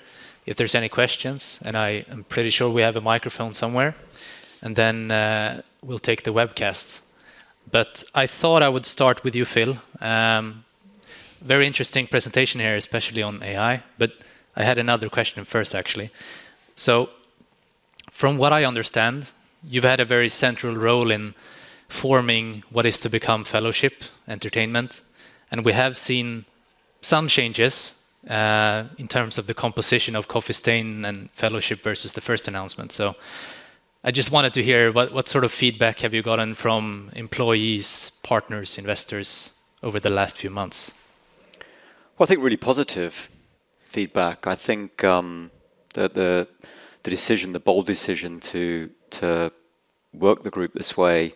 if there's any questions, and I'm pretty sure we have a microphone somewhere. We'll take the webcasts. I thought I would start with you, Phil. Very interesting presentation here, especially on AI. I had another question first, actually. Forming what is to become Fellowship Entertainment. We have seen some changes in terms of the composition of Coffee Stain and Fellowship versus the first announcement. I just wanted to hear what sort of feedback have you gotten from employees, partners, investors over the last few months? I think really positive feedback. I think the decision, the bold decision to work the group this way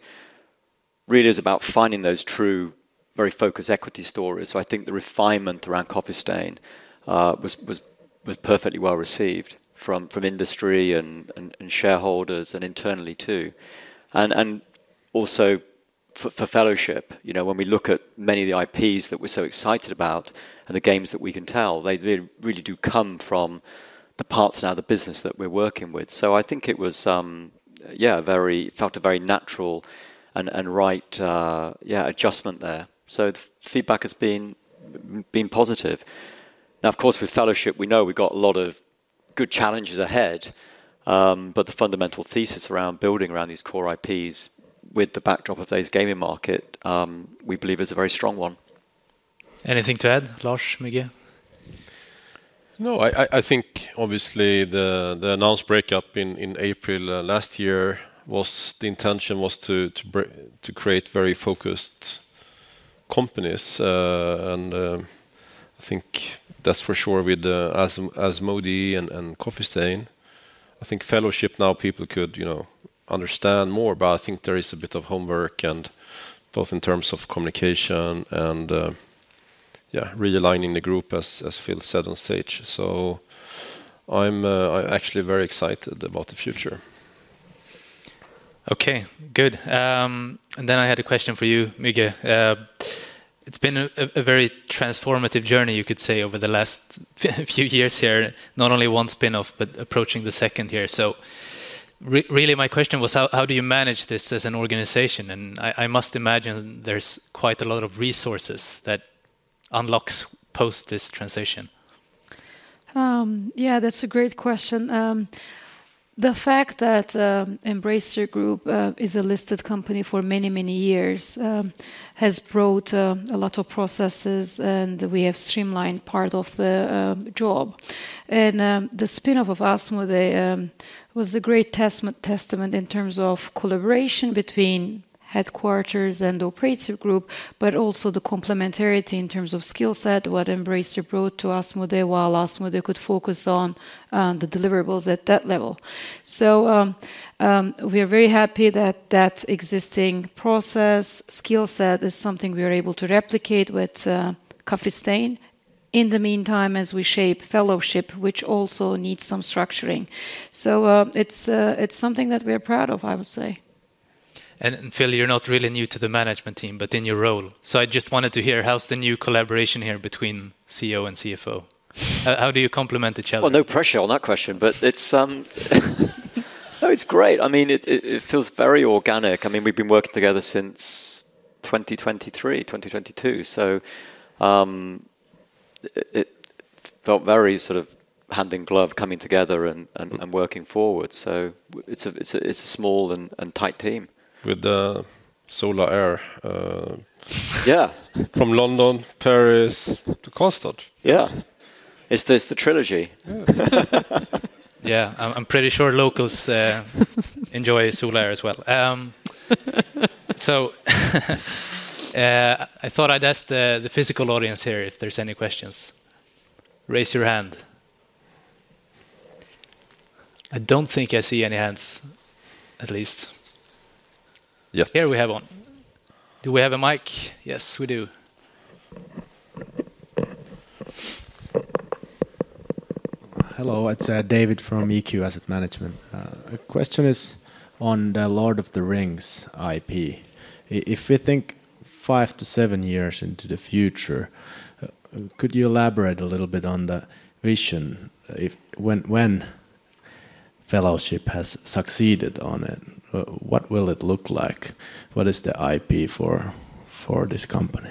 really is about finding those true, very focused equity stories. I think the refinement around Coffee Stain was perfectly well received from industry and shareholders and internally too. Also for Fellowship, you know, when we look at many of the IPs that we're so excited about and the games that we can tell, they really do come from the parts now of the business that we're working with. I think it was, yeah, very felt a very natural and right, yeah, adjustment there. The feedback has been positive. Of course, with Fellowship, we know we've got a lot of good challenges ahead. The fundamental thesis around building around these core IPs with the backdrop of today's gaming market, we believe, is a very strong one. Anything to add, Lars, Müge? No, I think obviously the announced breakup in April last year was the intention to create very focused companies. I think that's for sure with Asmodee and Coffee Stain. I think Fellowship now people could, you know, understand more. I think there is a bit of homework, both in terms of communication and, yeah, realigning the group, as Phil said on stage. I'm actually very excited about the future. Okay, good. I had a question for you, Müge. It's been a very transformative journey, you could say, over the last few years here, not only one spin-off, but approaching the second year. My question was, how do you manage this as an organization? I must imagine there's quite a lot of resources that unlock post this transition. Yeah, that's a great question. The fact that Embracer Group is a listed company for many, many years has brought a lot of processes, and we have streamlined part of the job. The spin-off of Asmodee was a great testament in terms of collaboration between headquarters and the operating group, but also the complementarity in terms of skill set, what Embracer brought to Asmodee, while Asmodee could focus on the deliverables at that level. We are very happy that that existing process skill set is something we are able to replicate with Coffee Stain. In the meantime, as we shape Fellowship, which also needs some structuring, it's something that we are proud of, I would say. Phil, you're not really new to the management team, but in your role, I just wanted to hear, how's the new collaboration here between CEO and CFO? How do you complement each other? No pressure on that question, but it's great. I mean, it feels very organic. I mean, we've been working together since 2023, 2022. It felt very sort of hand in glove coming together and working forward. It's a small and tight team. With the solar air. Yeah. From London, Paris to Karlstad. Yeah, it's the trilogy. Yeah. Yeah, I'm pretty sure locals enjoy solar air as well. I thought I'd ask the physical audience here if there's any questions. Raise your hand. I don't think I see any hands, at least. Yeah. Here we have one. Do we have a mic? Yes, we do. Hello. It's David from EQ Asset Management. A question is on the Lord of the Rings IP. If we think five to seven years into the future, could you elaborate a little bit on the vision? When Fellowship has succeeded on it, what will it look like? What is the IP for this company?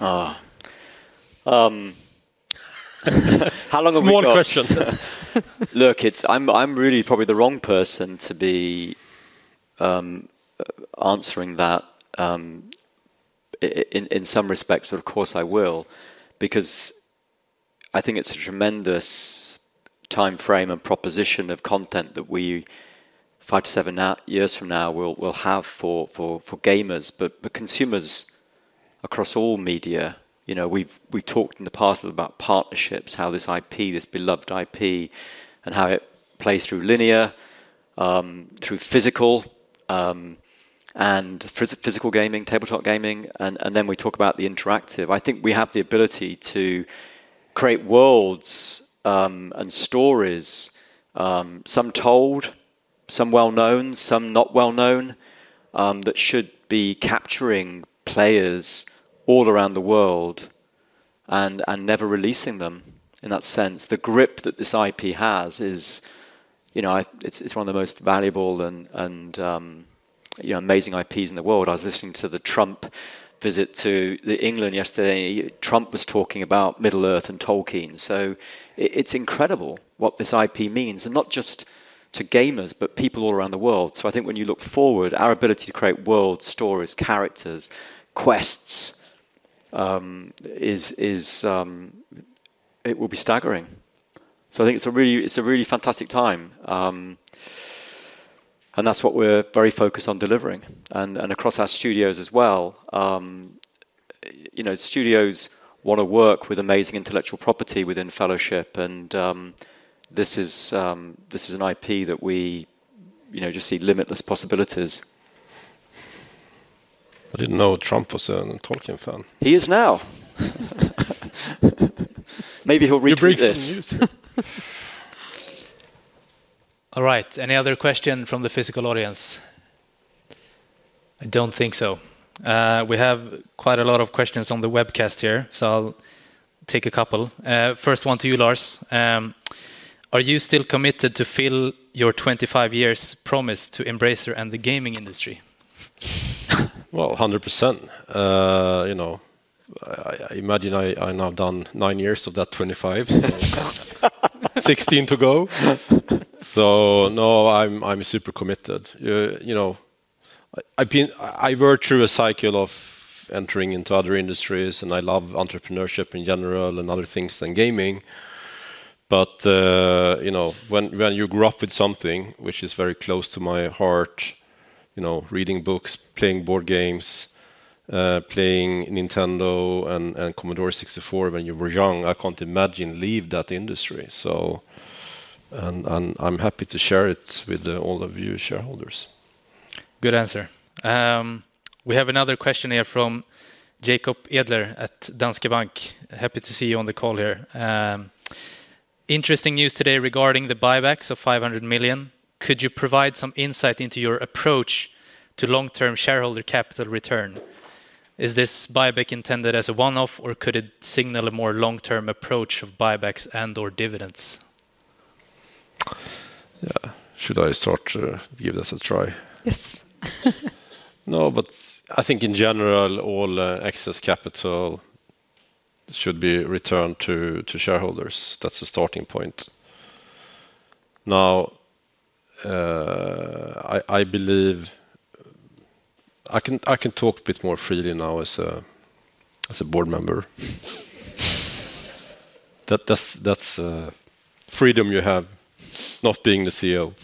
Oh. How long have we got? One question. I'm probably the wrong person to be answering that in some respects. Of course, I will, because I think it's a tremendous timeframe and proposition of content that we five to seven years from now will have for gamers, but consumers across all media. We've talked in the past about partnerships, how this IP, this beloved IP, and how it plays through linear, through physical, and physical gaming, tabletop gaming. Then we talk about the interactive. I think we have the ability to create worlds and stories, some told, some well-known, some not well-known, that should be capturing players all around the world and never releasing them. In that sense, the grip that this IP has is, you know, it's one of the most valuable and amazing IPs in the world. I was listening to the Trump visit to England yesterday. Trump was talking about Middle Earth and Tolkien. It's incredible what this IP means, and not just to gamers, but people all around the world. I think when you look forward, our ability to create worlds, stories, characters, quests, it will be staggering. I think it's a really fantastic time. That's what we're very focused on delivering. Across our studios as well, studios want to work with amazing intellectual property within Fellowship. This is an IP that we just see limitless possibilities. I didn't know Trump was a Tolkien fan. He is now. Maybe he'll reach the news. All right. Any other question from the physical audience? I don't think so. We have quite a lot of questions on the webcast here, so I'll take a couple. First one to you, Lars. Are you still committed to fill your 25 years' promise to Embracer and the gaming industry? I imagine I've now done nine years of that 25, so 16 to go. No, I'm super committed. I worked through a cycle of entering into other industries, and I love entrepreneurship in general and other things than gaming. When you grow up with something which is very close to my heart, you know, reading books, playing board games, playing Nintendo and Commodore 64 when you were young, I can't imagine leaving that industry. I'm happy to share it with all of you shareholders. Good answer. We have another question here from Jacob Edler at Danske Bank. Happy to see you on the call here. Interesting news today regarding the buybacks of 500 million. Could you provide some insight into your approach to long-term shareholder capital return? Is this buyback intended as a one-off, or could it signal a more long-term approach of buybacks and/or dividends? Should I start to give this a try? Yes. No, but I think in general, all excess capital should be returned to shareholders. That's the starting point. Now, I believe I can talk a bit more freely now as a board member. That's freedom you have not being the CEO.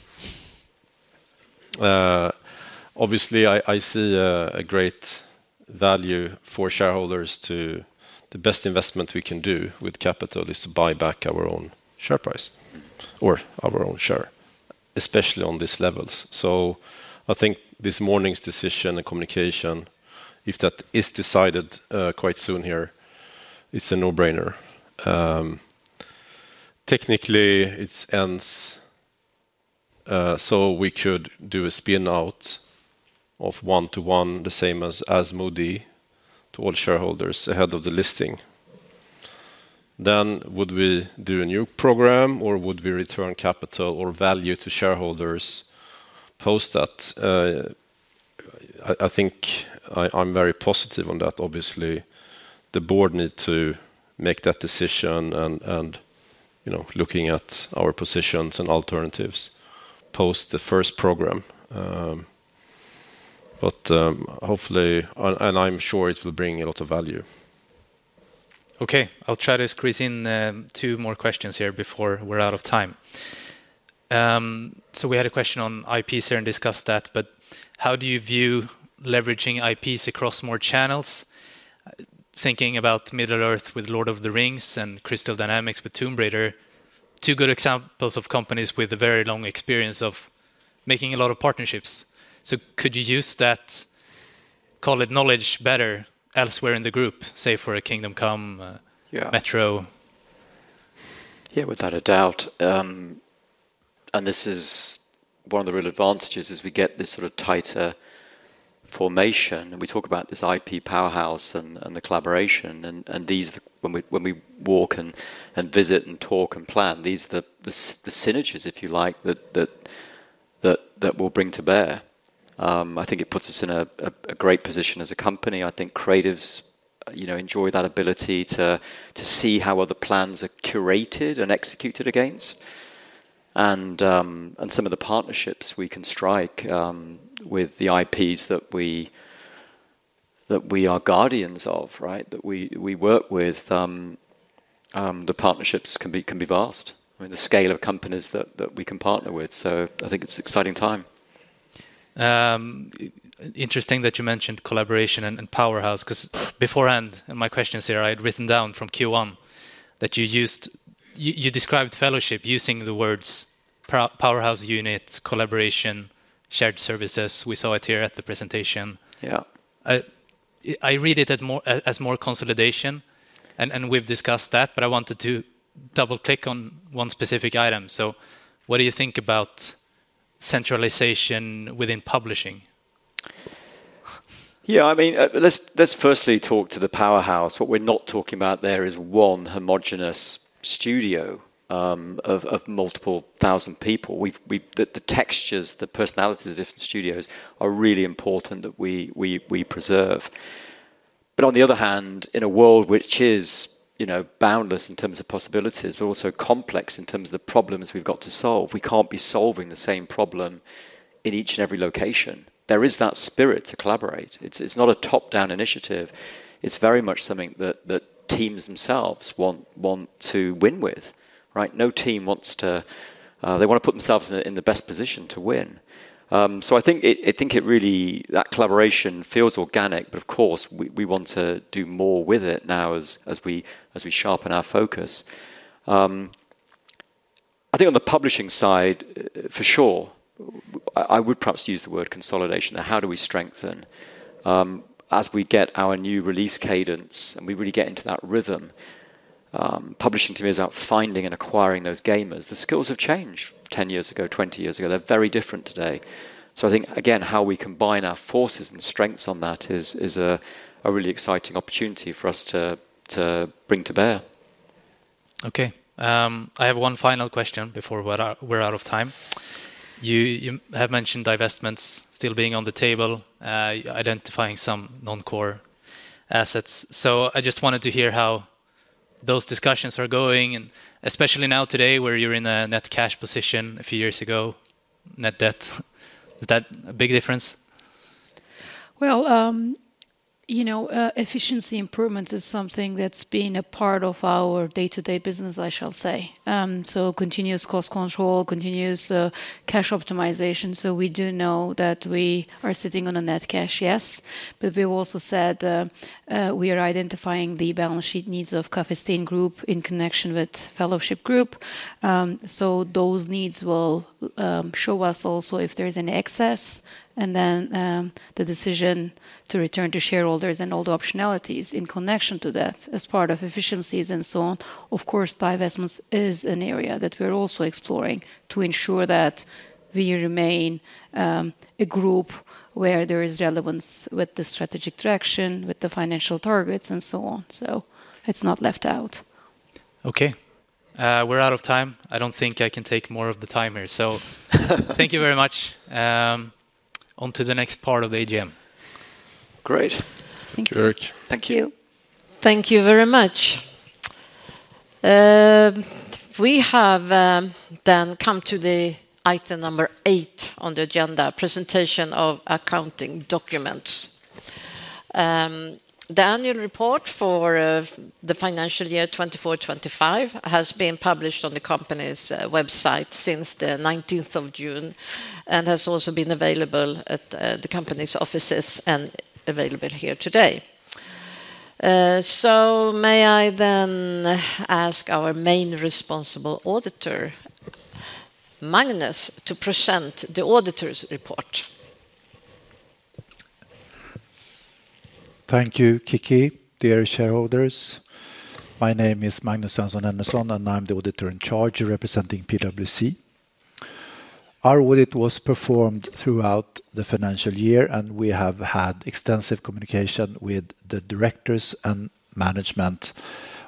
Obviously, I see a great value for shareholders to the best investment we can do with capital is to buy back our own share price or our own share, especially on these levels. I think this morning's decision and communication, if that is decided quite soon here, it's a no-brainer. Technically, it ends so we could do a spin-off of one-to-one, the same as Asmodee, to all shareholders ahead of the listing. Would we do a new program, or would we return capital or value to shareholders post that? I think I'm very positive on that. Obviously, the board needs to make that decision and, you know, looking at our positions and alternatives post the first program. Hopefully, and I'm sure it will bring a lot of value. Okay. I'll try to squeeze in two more questions here before we're out of time. We had a question on IPs here and discussed that, but how do you view leveraging IPs across more channels? Thinking about Middle Earth with Lord of the Rings and Crystal Dynamics with Tomb Raider, two good examples of companies with a very long experience of making a lot of partnerships. Could you use that, call it knowledge, better elsewhere in the group, say for a Kingdom Come, Metro? Yeah, without a doubt. This is one of the real advantages, as we get this sort of tighter formation. We talk about this IP powerhouse and the collaboration. When we walk and visit and talk and plan, these are the synergies, if you like, that we'll bring to bear. I think it puts us in a great position as a company. I think creatives enjoy that ability to see how other plans are curated and executed against. Some of the partnerships we can strike with the IPs that we are guardians of, that we work with, the partnerships can be vast. I mean, the scale of companies that we can partner with. I think it's an exciting time. Interesting that you mentioned collaboration and powerhouse, because beforehand, my questions here, I had written down from Q1 that you described Fellowship using the words powerhouse units, collaboration, shared services. We saw it here at the presentation. Yeah. I read it as more consolidation, and we've discussed that. I wanted to double-click on one specific item. What do you think about centralization within publishing? Yeah, I mean, let's firstly talk to the powerhouse. What we're not talking about there is one homogenous studio of multiple thousand people. The textures, the personalities of different studios are really important that we preserve. On the other hand, in a world which is boundless in terms of possibilities, but also complex in terms of the problems we've got to solve, we can't be solving the same problem in each and every location. There is that spirit too. Right, It's not a top-down initiative. It's very much something that teams themselves want to win with. No team wants to, they want to put themselves in the best position to win. I think it really, that collaboration feels organic, but of course we want to do more with it now as we sharpen our focus. I think on the publishing side, for sure, I would perhaps use the word consolidation. How do we strengthen as we get our new release cadence and we really get into that rhythm? Publishing to me is about finding and acquiring those gamers. The skills have changed 10 years ago, 20 years ago. They're very different today. I think, again, how we combine our forces and strengths on that is a really exciting opportunity for us to bring to bear. Okay, I have one final question before we're out of time. You have mentioned divestments still being on the table, identifying some non-core assets. I just wanted to hear how those discussions are going, especially now today where you're in a net cash position. A few years ago, net debt. Is that a big difference? Efficiency improvement is something that's been a part of our day-to-day business, I shall say. Continuous cost control, continuous cash optimization. We do know that we are sitting on a net cash, yes. We've also said we are identifying the balance sheet needs of Coffee Stain Group in connection with Fellowship Group. Those needs will show us also if there is an excess, and the decision to return to shareholders and all the optionalities in connection to that as part of efficiencies and so on. Of course, divestments is an area that we're also exploring to ensure that we remain a group where there is relevance with the strategic direction, with the financial targets, and so on. It's not left out. Okay, we're out of time. I don't think I can take more of the timer. Thank you very much. On to the next part of the AGM. Great. Thank you. Thank you. Thank you. Thank you very much. We have then come to item number eight on the agenda, presentation of accounting documents. The annual report for the financial year 2024-2025 has been published on the company's website since June 19 and has also been available at the company's offices and available here today. May I then ask our main responsible auditor, Magnus, to present the auditor's report? Thank you, Kicki, dear shareholders. My name is Magnus Svensson Henryson, and I'm the auditor in charge representing PwC. Our audit was performed throughout the financial year, and we have had extensive communication with the directors and management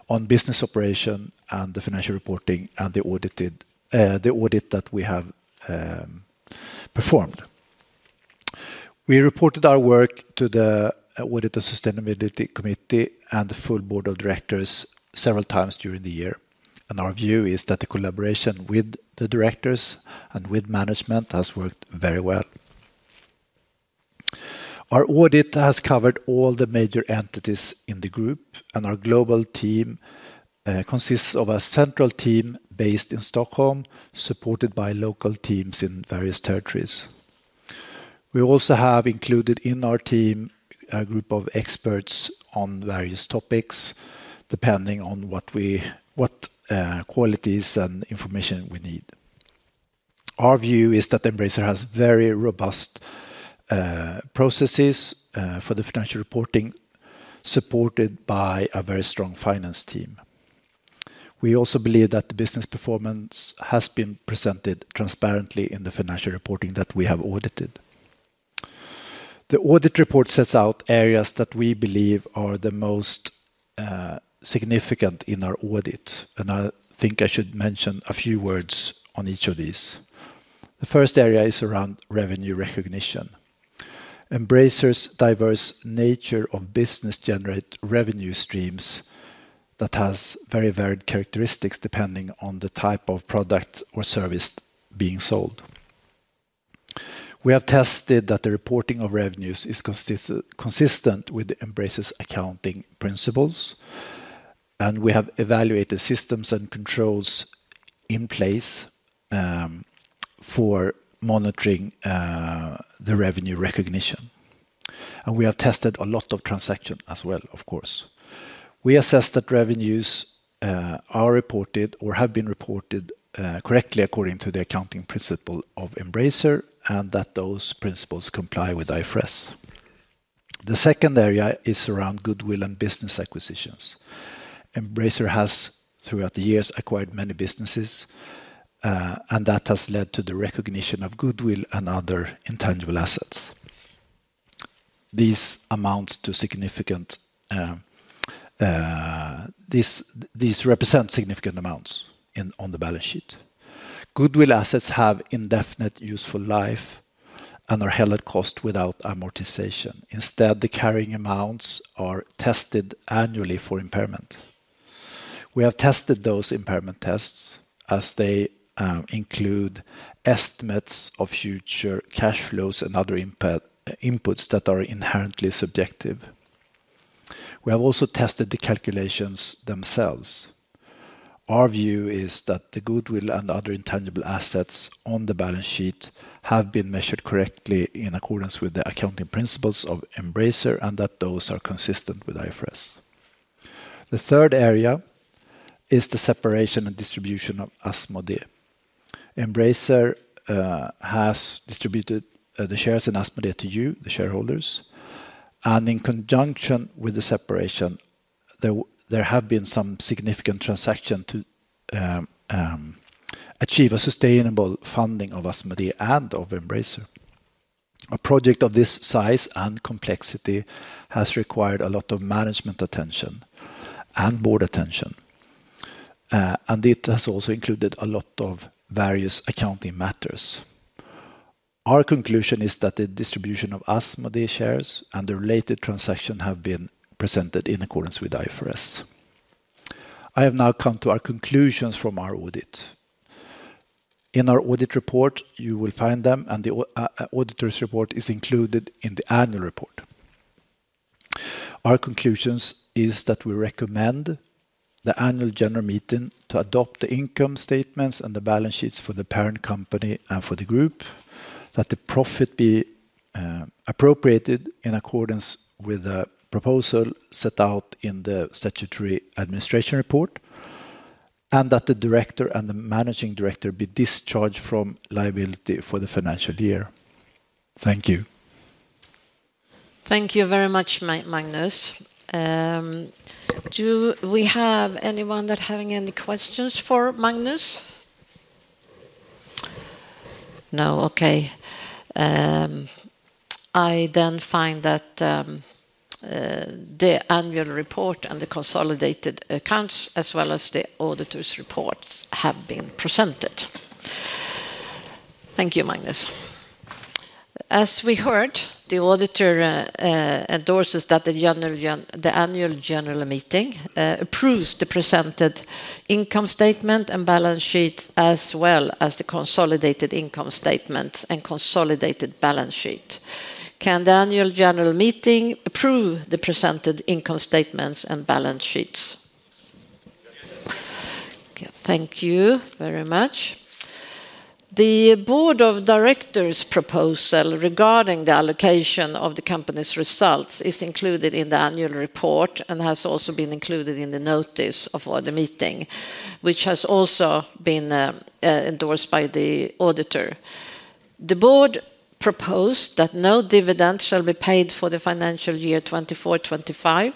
on business operation and the financial reporting and the audit that we have performed. We reported our work to the Audit and Sustainability Committee and the full Board of Directors several times during the year. Our view is that the collaboration with the directors and with management has worked very well. Our audit has covered all the major entities in the group, and our global team consists of a central team based in Stockholm, supported by local teams in various territories. We also have included in our team a group of experts on various topics, depending on what qualities and information we need. Our view is that Embracer has very robust processes for the financial reporting, supported by a very strong finance team. We also believe that the business performance has been presented transparently in the financial reporting that we have audited. The audit report sets out areas that we believe are the most significant in our audit. I think I should mention a few words on each of these. The first area is around revenue recognition. Embracer's diverse nature of business generates revenue streams that have very varied characteristics depending on the type of product or service being sold. We have tested that the reporting of revenues is consistent with Embracer's accounting principles, and we have evaluated systems and controls in place for monitoring the revenue recognition. We have tested a lot of transactions as well, of course. We assess that revenues are reported or have been reported correctly according to the accounting principle of Embracer and that those principles comply with IFRS. The second area is around goodwill and business acquisitions. Embracer has, throughout the years, acquired many businesses, and that has led to the recognition of goodwill and other intangible assets. These amounts represent significant amounts on the balance sheet. Goodwill assets have indefinite useful life and are held at cost without amortization. Instead, the carrying amounts are tested annually for impairment. We have tested those impairment tests as they include estimates of future cash flows and other inputs that are inherently subjective. We have also tested the calculations themselves. Our view is that the goodwill and other intangible assets on the balance sheet have been measured correctly in accordance with the accounting principles of Embracer and that those are consistent with IFRS. The third area is the separation and distribution of Asmodee. Embracer has distributed the shares in Asmodee to you, the shareholders, and in conjunction with the separation, there have been some significant transactions to achieve a sustainable funding of Asmodee and of Embracer. A project of this size and complexity has required a lot of management attention and board attention. It has also included a lot of various accounting matters. Our conclusion is that the distribution of Asmodee shares and the related transactions have been presented in accordance with IFRS. I have now come to our conclusions from our audit. In our audit report, you will find them, and the auditor's report is included in the annual report. Our conclusion is that we recommend the Annual General Meeting to adopt the income statements and the balance sheets for the parent company and for the group, that the profit be appropriated in accordance with the proposal set out in the statutory administration report, and that the director and the Managing Director be discharged from liability for the financial year. Thank you. Thank you very much, Magnus. Do we have anyone that's having any questions for Magnus? No, okay. I then find that the annual report and the consolidated accounts, as well as the auditor's reports, have been presented. Thank you, Magnus. As we heard, the auditor endorses that the annual general meeting approves the presented income statement and balance sheet, as well as the consolidated income statements and consolidated balance sheet. Can the annual general meeting approve the presented income statements and balance sheets? Thank you very much. The Board of Directors' proposal regarding the allocation of the company's results is included in the annual report and has also been included in the notice of the meeting, which has also been endorsed by the auditor. The Board proposed that no dividend shall be paid for the financial year 2024-2025.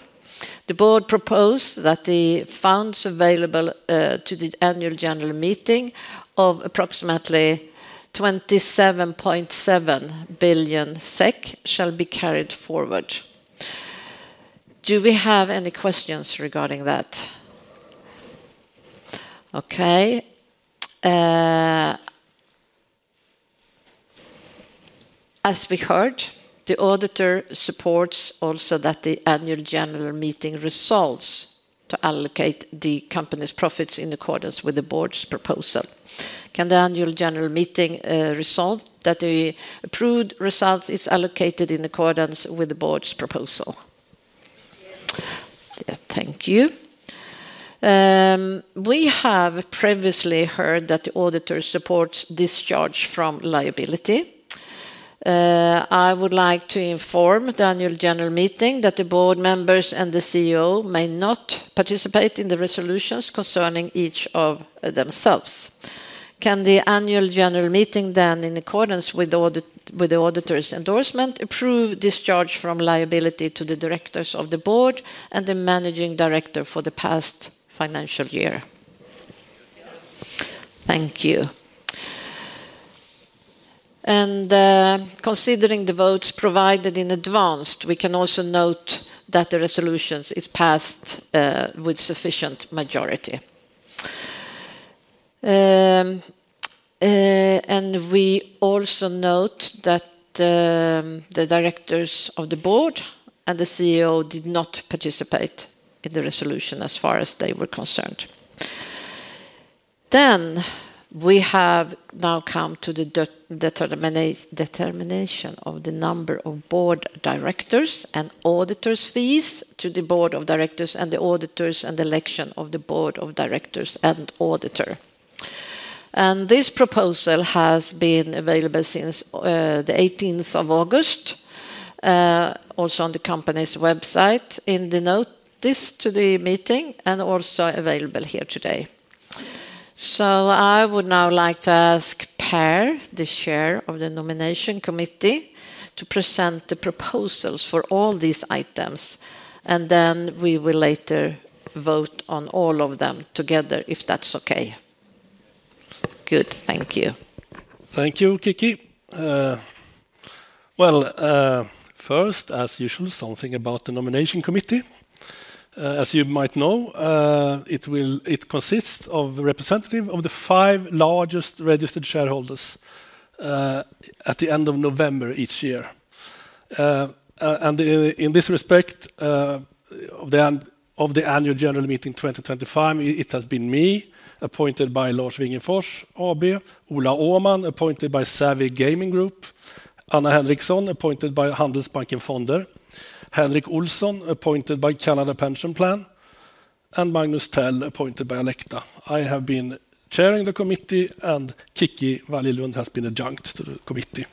The Board proposed that the funds available to the annual general meeting of approximately 27.7 billion SEK shall be carried forward. Do we have any questions regarding that? Okay. As we heard, the auditor supports also that the annual general meeting resolves to allocate the company's profits in accordance with the Board's proposal. Can the annual general meeting resolve that the approved result is allocated in accordance with the Board's proposal? Yeah, thank you. We have previously heard that the auditor supports discharge from liability. I would like to inform the annual general meeting that the Board members and the CEO may not participate in the resolutions concerning each of themselves. Can the annual general meeting then, in accordance with the auditor's endorsement, approve discharge from liability to the directors of the Board and the Managing Director for the past financial year? Thank you. Considering the votes provided in advance, we can also note that the resolution is passed with sufficient majority. We also note that the directors of the Board and the CEO did not participate in the resolution as far as they were concerned. We have now come to the determination of the number of Board directors and auditors' fees to the Board of Directors and the auditors and the election of the Board of Directors and auditor. This proposal has been available since the 18th of August, also on the company's website, in the notice to the meeting, and also available here today. I would now like to ask Per-Arne, the Chair of the Nomination Committee, to present the proposals for all these items. We will later vote on all of them together, if that's okay. Good. Thank you. Thank you, Kicki. First, as usual, something about the nomination committee. As you might know, it consists of a representative of the five largest registered shareholders at the end of November each year. In this respect, for the annual general meeting 2025, it has been me appointed by Lars Wingefors AB, Ola Åhman appointed by Savi Gaming Group, Anna Henriksson appointed by Handelsbanken Fonder, Henrik Olsson appointed by Canada Pension Plan, and Magnus Tell appointed by Alecta. I have been chairing the committee, and Kicki Wallilund has been adjunct to the committee.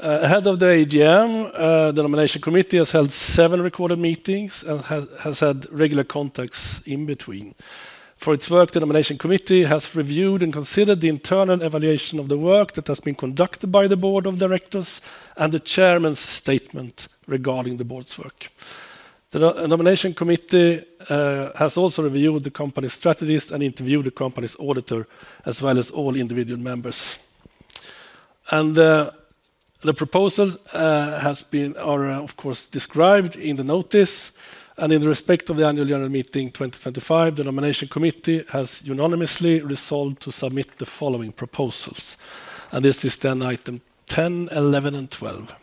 Ahead of the AGM, the nomination committee has held seven recorded meetings and has had regular contacts in between. For its work, the nomination committee has reviewed and considered the internal evaluation of the work that has been conducted by the board of directors and the chairman's statement regarding the board's work. The nomination committee has also reviewed the company's strategies and interviewed the company's auditor, as well as all individual members. The proposals have been, of course, described in the notice. In respect of the annual general meeting 2025, the nomination committee has unanimously resolved to submit the following proposals. This is then item 10, 11, and 12.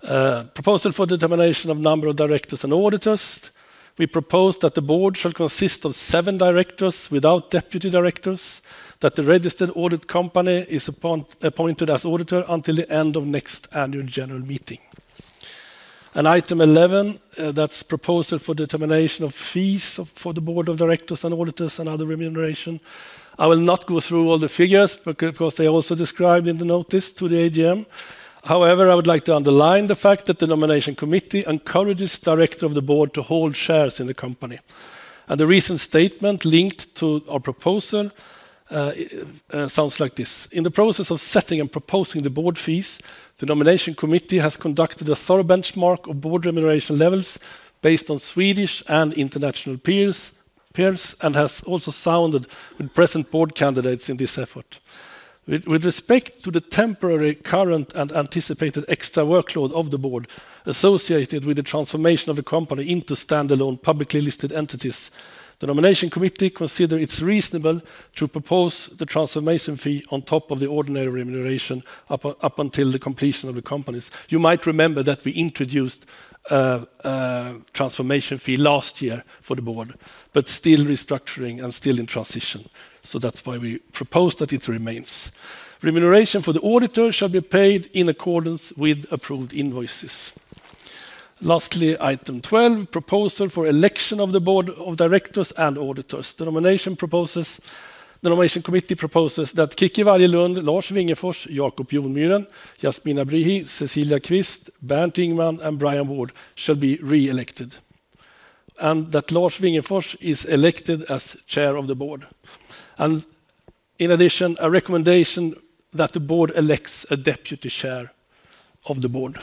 Proposal for determination of number of directors and auditors. We propose that the board shall consist of seven directors without deputy directors, that the registered audit company is appointed as auditor until the end of next annual general meeting. Item 11, that's proposal for determination of fees for the board of directors and auditors and other remuneration. I will not go through all the figures because they are also described in the notice to the AGM. However, I would like to underline the fact that the nomination committee encourages directors of the board to hold shares in the company. The recent statement linked to our proposal sounds like this. In the process of setting and proposing the board fees, the nomination committee has conducted a thorough benchmark of board remuneration levels based on Swedish and international peers and has also sounded with present board candidates in this effort. With respect to the temporary, current, and anticipated extra workload of the board associated with the transformation of the company into standalone publicly listed entities, the nomination committee considers it's reasonable to propose the transformation fee on top of the ordinary remuneration up until the completion of the companies. You might remember that we introduced a transformation fee last year for the board, but still restructuring and still in transition. That's why we propose that it remains. Remuneration for the auditor shall be paid in accordance with approved invoices. Lastly, item 12, proposal for election of the board of directors and auditors. The nomination committee proposes that Kicki Wallilund, Lars Wingefors, Jakob Jonmuren, Jasmina Bryhi, Cecilia Kvist, Bernt Ingman, and Brian Wood shall be re-elected, and that Lars Wingefors is elected as Chair of the Board. In addition, a recommendation that the board elects a Deputy Chair of the Board.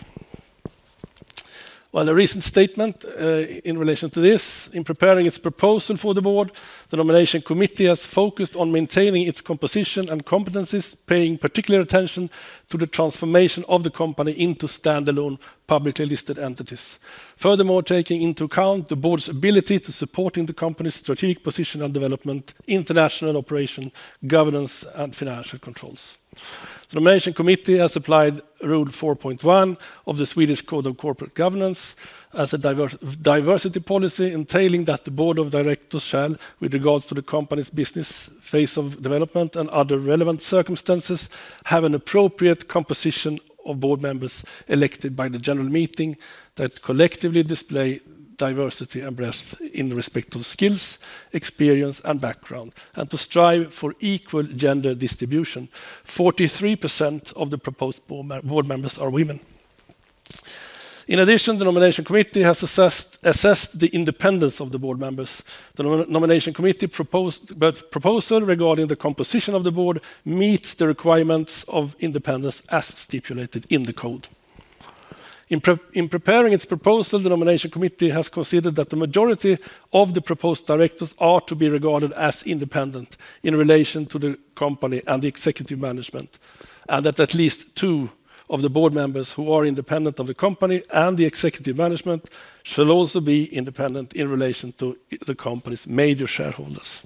The recent statement in relation to this, in preparing its proposal for the board, the nomination committee has focused on maintaining its composition and competencies, paying particular attention to the transformation of the company into standalone publicly listed entities. Furthermore, taking into account the board's ability to support the company's strategic position and development, international operation, governance, and financial controls. The nomination committee has applied Rule 4.1 of the Swedish Code of Corporate Governance as a diversity policy entailing that the board of directors shall, with regards to the company's business phase of development and other relevant circumstances, have an appropriate composition of board members elected by the general meeting that collectively display diversity and breadth in respect to skills, experience, and background, and to strive for equal gender distribution. 43% of the proposed board members are women. In addition, the nomination committee has assessed the independence of the board members. The nomination committee proposed both proposals regarding the composition of the board meet the requirements of independence as stipulated in the code. In preparing its proposal, the Nomination Committee has considered that the majority of the proposed directors are to be regarded as independent in relation to the company and the executive management, and that at least two of the board members who are independent of the company and the executive management shall also be independent in relation to the company's major shareholders.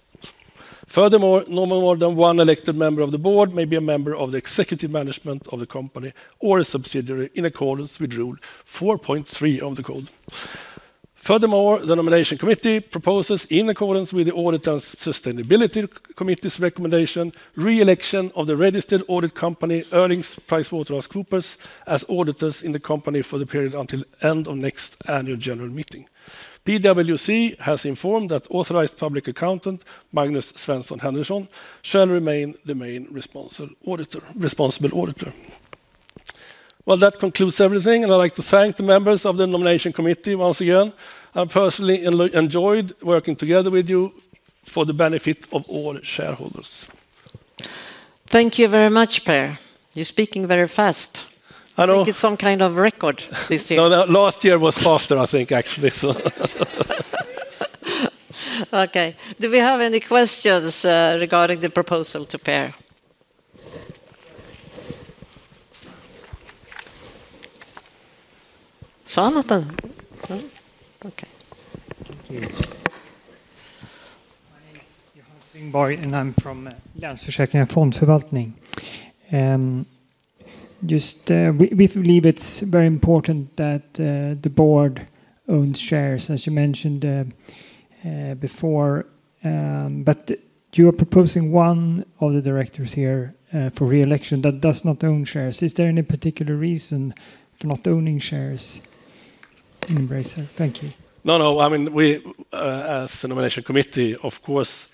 Furthermore, no more than one elected member of the board may be a member of the executive management of the company or a subsidiary in accordance with Rule 4.3 of the code. Furthermore, the Nomination Committee proposes, in accordance with the Audit and Sustainability Committee's recommendation, re-election of the registered audit company, PricewaterhouseCoopers, as auditors in the company for the period until the end of next Annual General Meeting. PwC has informed that Authorized Public Accountant, Magnus Svensson Henryson, shall remain the main responsible auditor. I would like to thank the members of the Nomination Committee once again. I personally enjoyed working together with you for the benefit of all shareholders. Thank you very much, Per. You're speaking very fast. I know. It's some kind of record this year. Last year was faster, I think, actually. Okay. Do we have any questions regarding the proposal to Per? Så, annat? Ja, okay. Tack. Jag heter Johan Ekström och jag är från Länsförsäkringar Fondsförvaltning. We believe it's very important that the board owns shares, as you mentioned before. You are proposing one of the directors here for re-election that does not own shares. Is there any particular reason for not owning shares in Embracer Group? Thank you. No, no. I mean, we as the Nomination Committee, of course,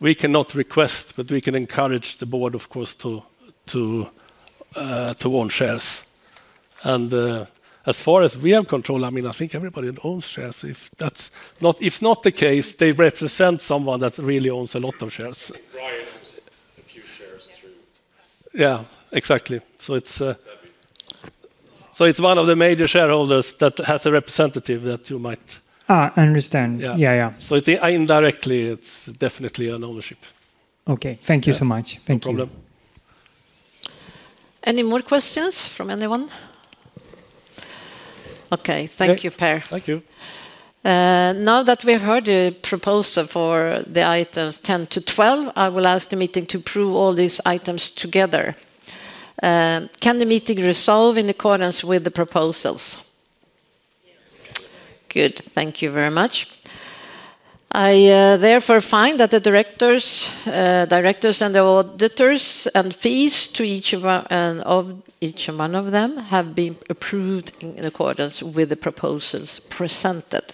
we cannot request, but we can encourage the board, of course, to own shares. As far as we have control, I mean, I think everybody owns shares. If that's not the case, they represent someone that really owns a lot of shares. Ryan has a few shares too. Yeah, exactly. It's one of the major shareholders that has a representative that you might. I understand. Yeah. It's definitely an ownership indirectly. Okay, thank you so much. No problem. Any more questions from anyone? Okay, thank you, Per. Thank you. Now that we have heard the proposal for the items 10 to 12, I will ask the meeting to approve all these items together. Can the meeting resolve in accordance with the proposals? Good. Thank you very much. I therefore find that the directors and the auditors and fees to each of each among them have been approved in accordance with the proposals presented.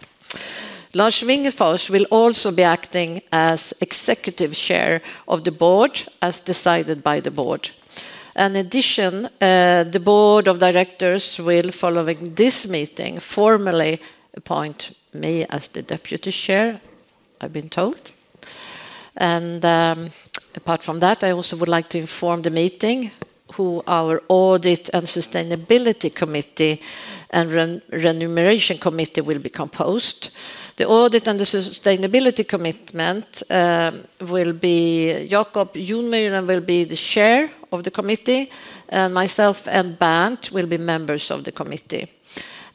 Lars Wingefors will also be acting as Executive Chair of the Board as decided by the Board. In addition, the Board of Directors will, following this meeting, formally appoint me as the Deputy Chair, I've been told. Apart from that, I also would like to inform the meeting who our Audit and Sustainability Committee and Remuneration Committee will be composed. The Audit and the Sustainability Committee will be Jakob, Jonmuren will be the Chair of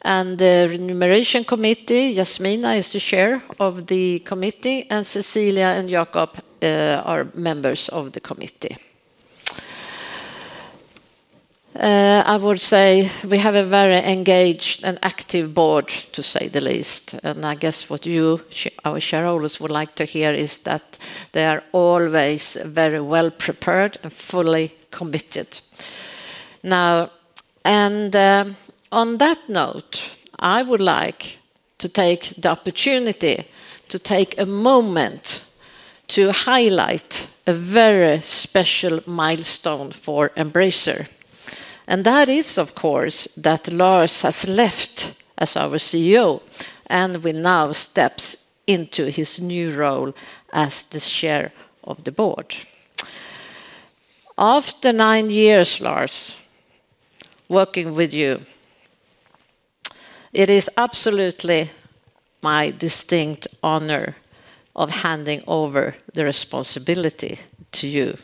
the Committee, and myself and Bernt will be members of the Committee. The Remuneration Committee, Jasmina is the Chair of the Committee, and Cecilia and Jakob are members of the Committee. I would say we have a very engaged and active Board, to say the least. I guess what you, our shareholders, would like to hear is that they are always very well prepared and fully committed. On that note, I would like to take the opportunity to take a moment to highlight a very special milestone for Embracer. That is, of course, that Lars has left as our CEO and will now step into his new role as the Chair of the Board. After nine years, Lars, working with you, it is absolutely my distinct honor of handing over the responsibility to you.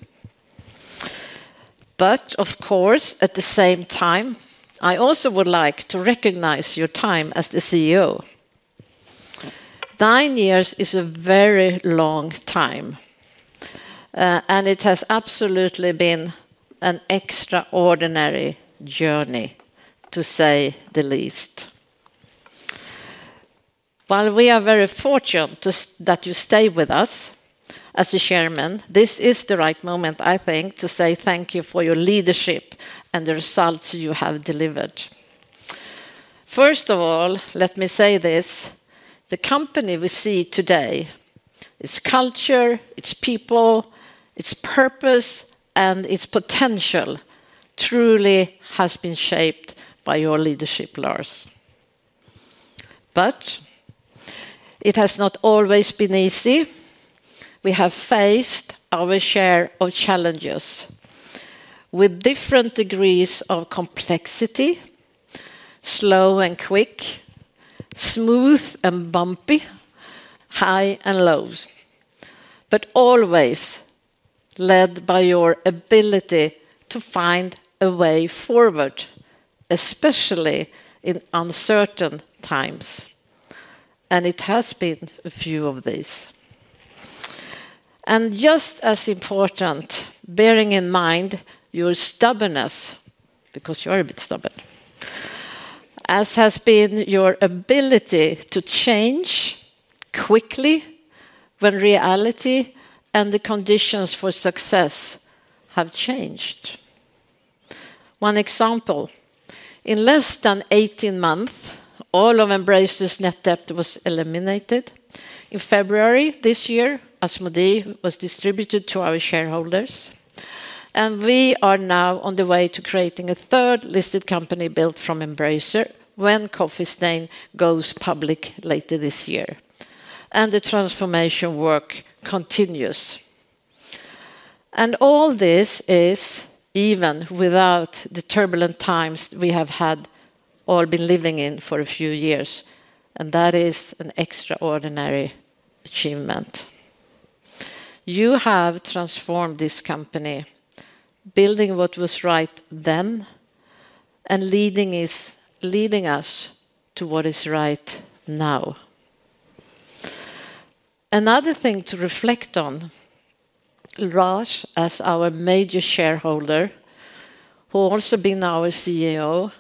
Of course, at the same time, I also would like to recognize your time as the CEO. Nine years is a very long time, and it has absolutely been an extraordinary journey, to say the least. While we are very fortunate that you stay with us as the Chairman, this is the right moment, I think, to say thank you for your leadership and the results you have delivered. First of all, let me say this, the company we see today, its culture, its people, its purpose, and its potential truly have been shaped by your leadership, Lars. It has not always been easy. We have faced our share of challenges with different degrees of complexity, slow and quick, smooth and bumpy, high and low, but always led by your ability to find a way forward, especially in uncertain times. It has been a few of these. Just as important, bearing in mind your stubbornness, because you are a bit stubborn, has been your ability to change quickly when reality and the conditions for success have changed. One example, in less than 18 months, all of Embracer's net debt was eliminated. In February this year, Asmodee was distributed to our shareholders. We are now on the way to creating a third listed company built from Embracer when Coffee Stain goes public later this year. The transformation work continues. All this is even without the turbulent times we have all been living in for a few years. That is an extraordinary achievement. You have transformed this company, building what was right then and leading us to what is right now. Another thing to reflect on, Lars, as our major shareholder, who has also been our CEO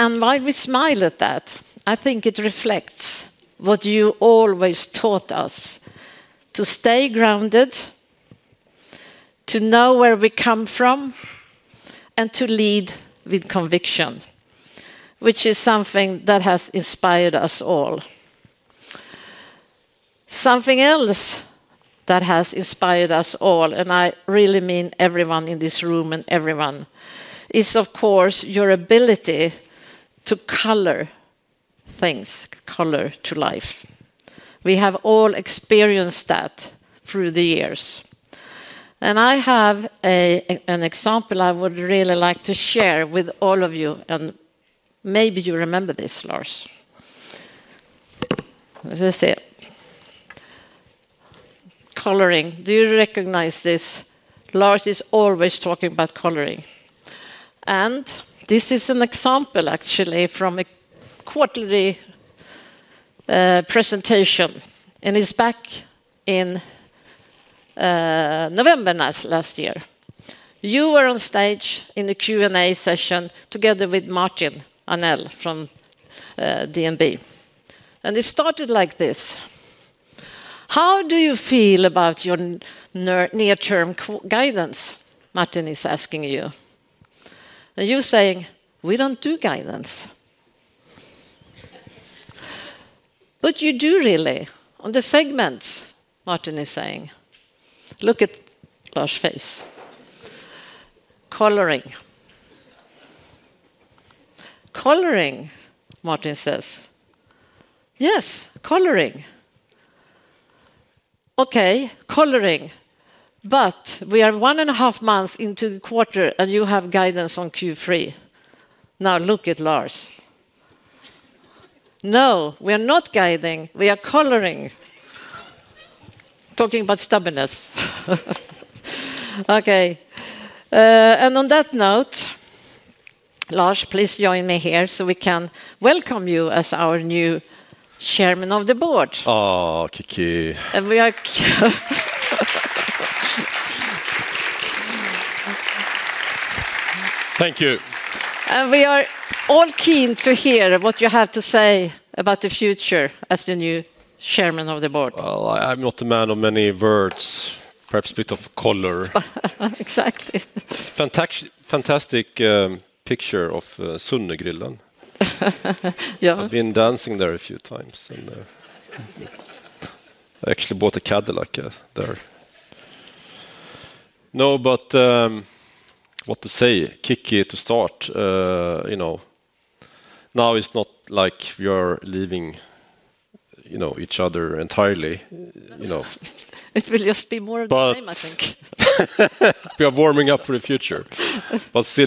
and now becoming our Executive Chair, Chairman of the company, you have always been, I'll say like this, there's never been a situation when Lars has not acted in the best interest of all shareholders, always with the company's long-term future in mind. To wrap up, Lars, there is one thing that we have all learned from you. That is, without a doubt, that Värmland is the very center of the world. While we smile at that, I think it reflects what you always taught us: to stay grounded, to know where we come from, and to lead with conviction, which is something that has inspired us all. Something else that has inspired us all, and I really mean everyone in this room and everyone, is, of course, your ability to color things, color to life. We have all experienced that through the years. I have an example I would really like to share with all of you, and maybe you remember this, Lars. Coloring. Do you recognize this? Lars is always talking about coloring. This is an example, actually, from a quarterly presentation. It's back in November last year. You were on stage in the Q&A session together with Martin Arnell from DNB. It started like this. How do you feel about your near-term guidance? Martin is asking you. You're saying, we don't do guidance. But you do, really. On the segments, Martin is saying. Look at Lars' face. Coloring. Coloring, Martin says. Yes, coloring. Okay, coloring. We are one and a half months into the quarter, and you have guidance on Q3. Now look at Lars. No, we are not guiding. We are coloring. Talking about stubbornness. Okay. On that note, Lars, please join me here so we can welcome you as our new Chairman of the Board. Oh, Kiki. We are. Thank you. We are all keen to hear what you have to say about the future as the new Chairman of the Board. I'm not a man of many words. Perhaps a bit of color. Exactly. Fantastic picture of Sunnegrillen. Yeah. Been dancing there a few times. Thank you. I actually bought a Cadillac there. No, but what to say? Kicki, to start. You know, now it's not like we are leaving each other entirely. It will just be more of the same, I think. We are warming up for the future. I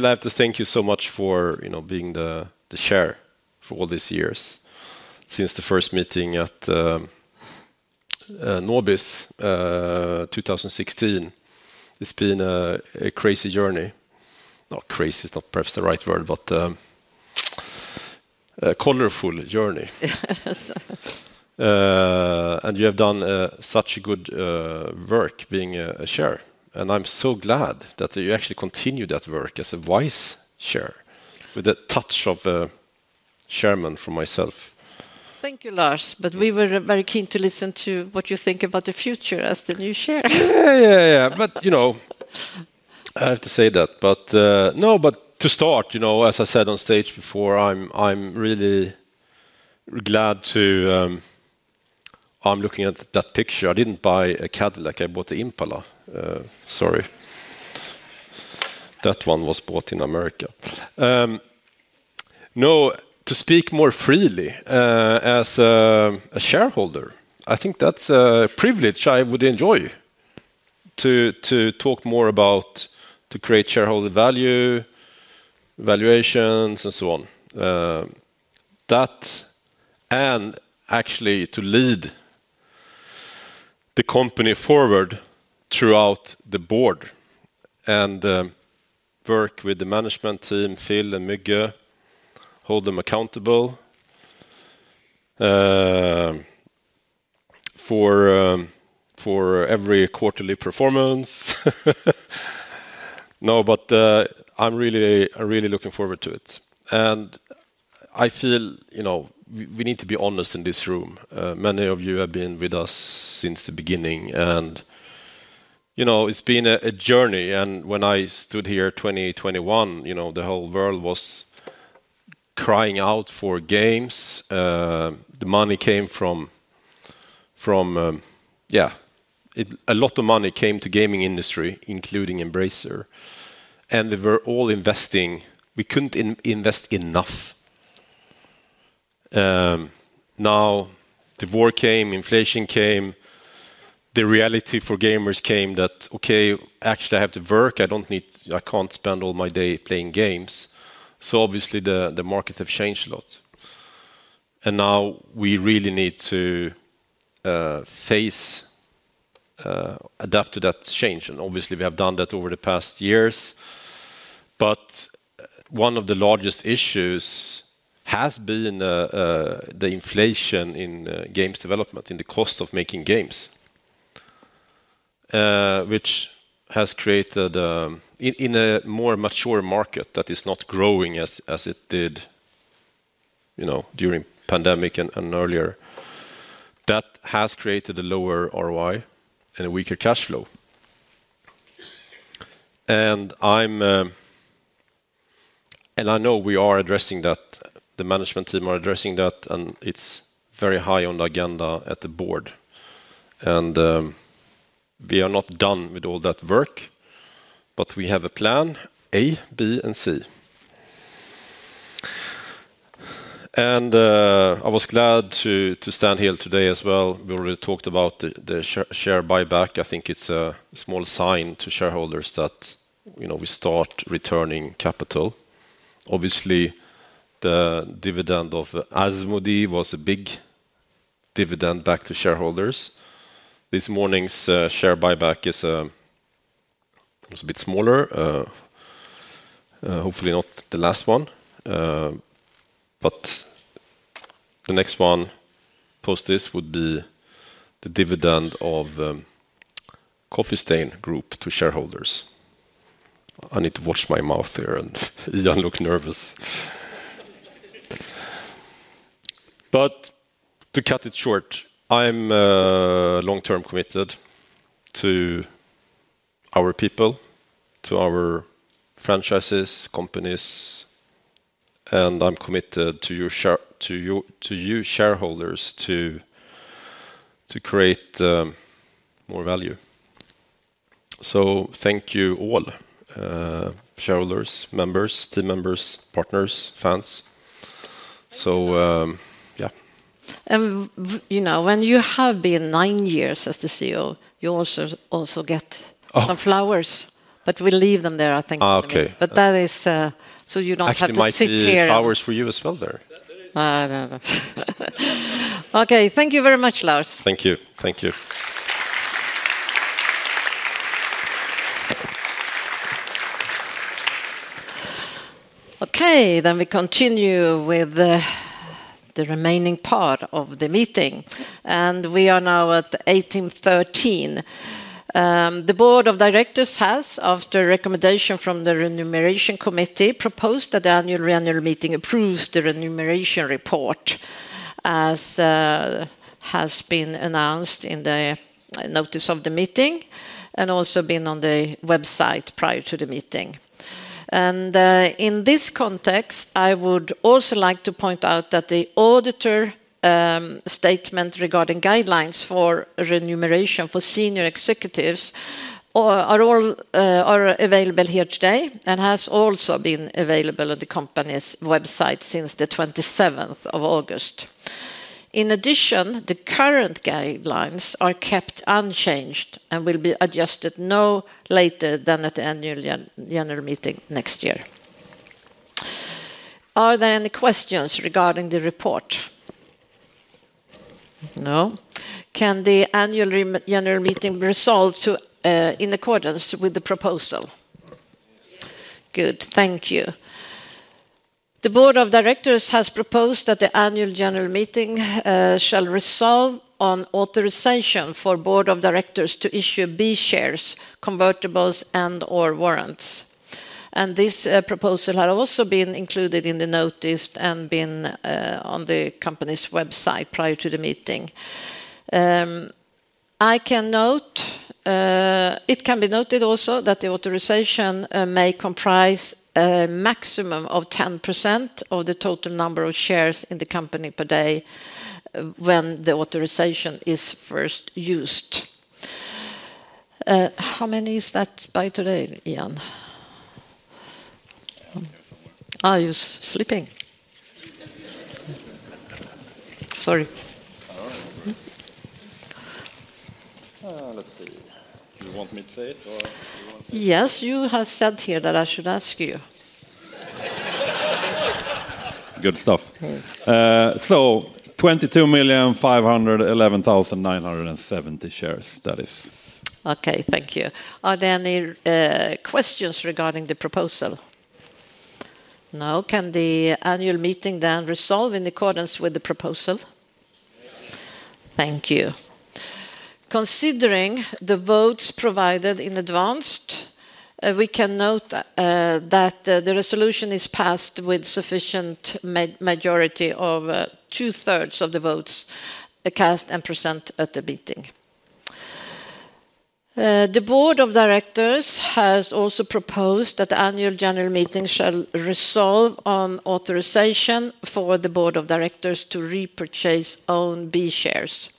have to thank you so much for being the Chair for all these years. Since the first meeting at Nobis 2016, it's been a crazy journey. Crazy is not perhaps the right word, but a colorful journey. Yes. You have done such a good work being Chair. I'm so glad that you actually continue that work as Vice Chair with a touch of a Chairman for myself. Thank you, Lars. We were very keen to listen to what you think about the future as the new Chair. I have to say that. To start, as I said on stage before, I'm really glad to... I'm looking at that picture. I didn't buy a Cadillac. I bought an Impala. Sorry. That one was bought in America. To speak more freely as a shareholder, I think that's a privilege I would enjoy to talk more about, to create shareholder value, valuations, and so on. Actually, to lead the company forward throughout the board and work with the management team, Phil and Mikke, hold them accountable for every quarterly performance. I'm really looking forward to it. I feel we need to be honest in this room. Many of you have been with us since the beginning. It's been a journey. When I stood here in 2021, the whole world was crying out for games. The money came from, yeah, a lot of money came to the gaming industry, including Embracer. We were all investing. We couldn't invest enough. Now the war came, inflation came, the reality for gamers came that, okay, actually, I have to work. I can't spend all my day playing games. Obviously, the market has changed a lot. Now we really need to face, adapt to that change. Obviously, we have done that over the past years. One of the largest issues has been the inflation in games development, in the cost of making games, which has created, in a more mature market that is not growing as it did during the pandemic and earlier, a lower ROI and a weaker cash flow. I know we are addressing that. The management team is addressing that, and it's very high on the agenda at the board. We are not done with all that work, but we have a plan, A, B, and C. I was glad to stand here today as well. We already talked about the share buyback. I think it's a small sign to shareholders that we start returning capital. Obviously, the dividend of Asmodee was a big dividend back to shareholders. This morning's share buyback is a bit smaller, hopefully not the last one. The next one post this would be the dividend of Coffee Stain Group to shareholders. I need to watch my mouth here, and I look nervous. To cut it short, I'm long-term committed to our people, to our franchises, companies, and I'm committed to you, to you shareholders, to create more value. Thank you all, shareholders, members, team members, partners, fans. When you have been nine years as the CEO, you also get some flowers, but we leave them there, I think. okay. That is so you don't have to sit here. I have hours for you as well there. Okay, thank you very much, Lars. Thank you. Thank you. Okay, then we continue with the remaining part of the meeting. We are now at 6:13 P.M. The Board of Directors has, after a recommendation from the Remuneration Committee, proposed that the annual meeting approves the remuneration report, as has been announced in the notice of the meeting and also been on the website prior to the meeting. In this context, I would also like to point out that the auditor statement regarding guidelines for remuneration for senior executives is available here today and has also been available on the company's website since August 27, 2023. In addition, the current guidelines are kept unchanged and will be adjusted no later than at the Annual General Meeting next year. Are there any questions regarding the report? No? Can the Annual General Meeting be resolved in accordance with the proposal? Good. Thank you. The Board of Directors has proposed that the Annual General Meeting shall resolve on authorization for the Board of Directors to issue B shares, convertibles, and/or warrants. This proposal has also been included in the notice and been on the company's website prior to the meeting. It can be noted also that the authorization may comprise a maximum of 10% of the total number of shares in the company per day when the authorization is first used. How many is that by today, Ian? Are you sleeping? Sorry. Let's see. Do you want me to say it or? Yes, you have said here that I should ask you. Good stuff. 22,511,970 shares. That is. Okay, thank you. Are there any questions regarding the proposal? No? Can the annual meeting then resolve in accordance with the proposal? Thank you. Considering the votes provided in advance, we can note that the resolution is passed with a sufficient majority of two-thirds of the votes cast and present at the meeting. The Board of Directors has also proposed that the Annual General Meeting shall resolve on authorization for the Board of Directors to repurchase own B shares.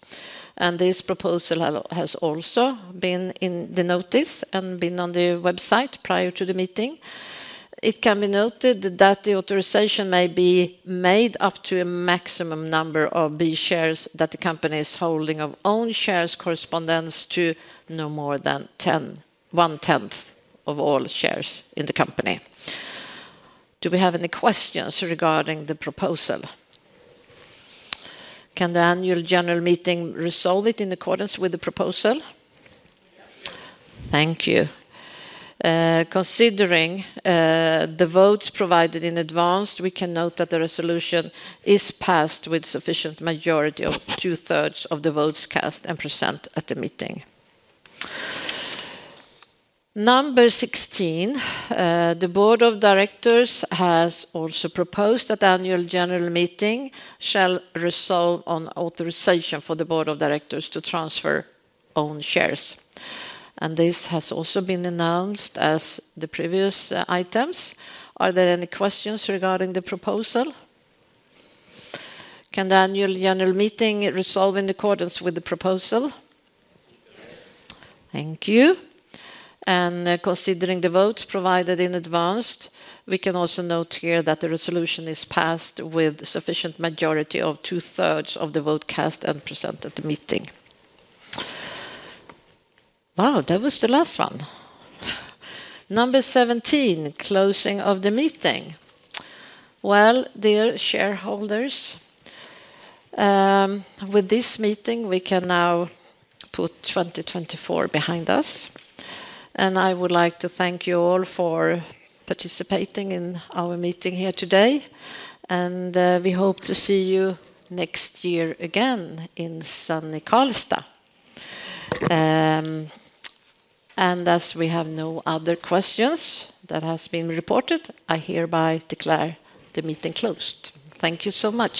This proposal has also been in the notice and been on the website prior to the meeting. It can be noted that the authorization may be made up to a maximum number of B shares that the company is holding of owned shares corresponding to no more than one-tenth of all shares in the company. Do we have any questions regarding the proposal? Can the Annual General Meeting resolve it in accordance with the proposal? Thank you. Considering the votes provided in advance, we can note that the resolution is passed with a sufficient majority of two-thirds of the votes cast and present at the meeting. Number 16, the Board of Directors has also proposed that the Annual General Meeting shall resolve on authorization for the Board of Directors to transfer own shares. This has also been announced as the previous items. Are there any questions regarding the proposal? Can the Annual General Meeting resolve in accordance with the proposal? Thank you. Considering the votes provided in advance, we can also note here that the resolution is passed with a sufficient majority of two-thirds of the votes cast and present at the meeting. That was the last one. Number 17, closing of the meeting. Dear shareholders, with this meeting, we can now put 2024 behind us. I would like to thank you all for participating in our meeting here today. We hope to see you next year again in San Nicolsto. As we have no other questions that have been reported, I hereby declare the meeting closed. Thank you so much.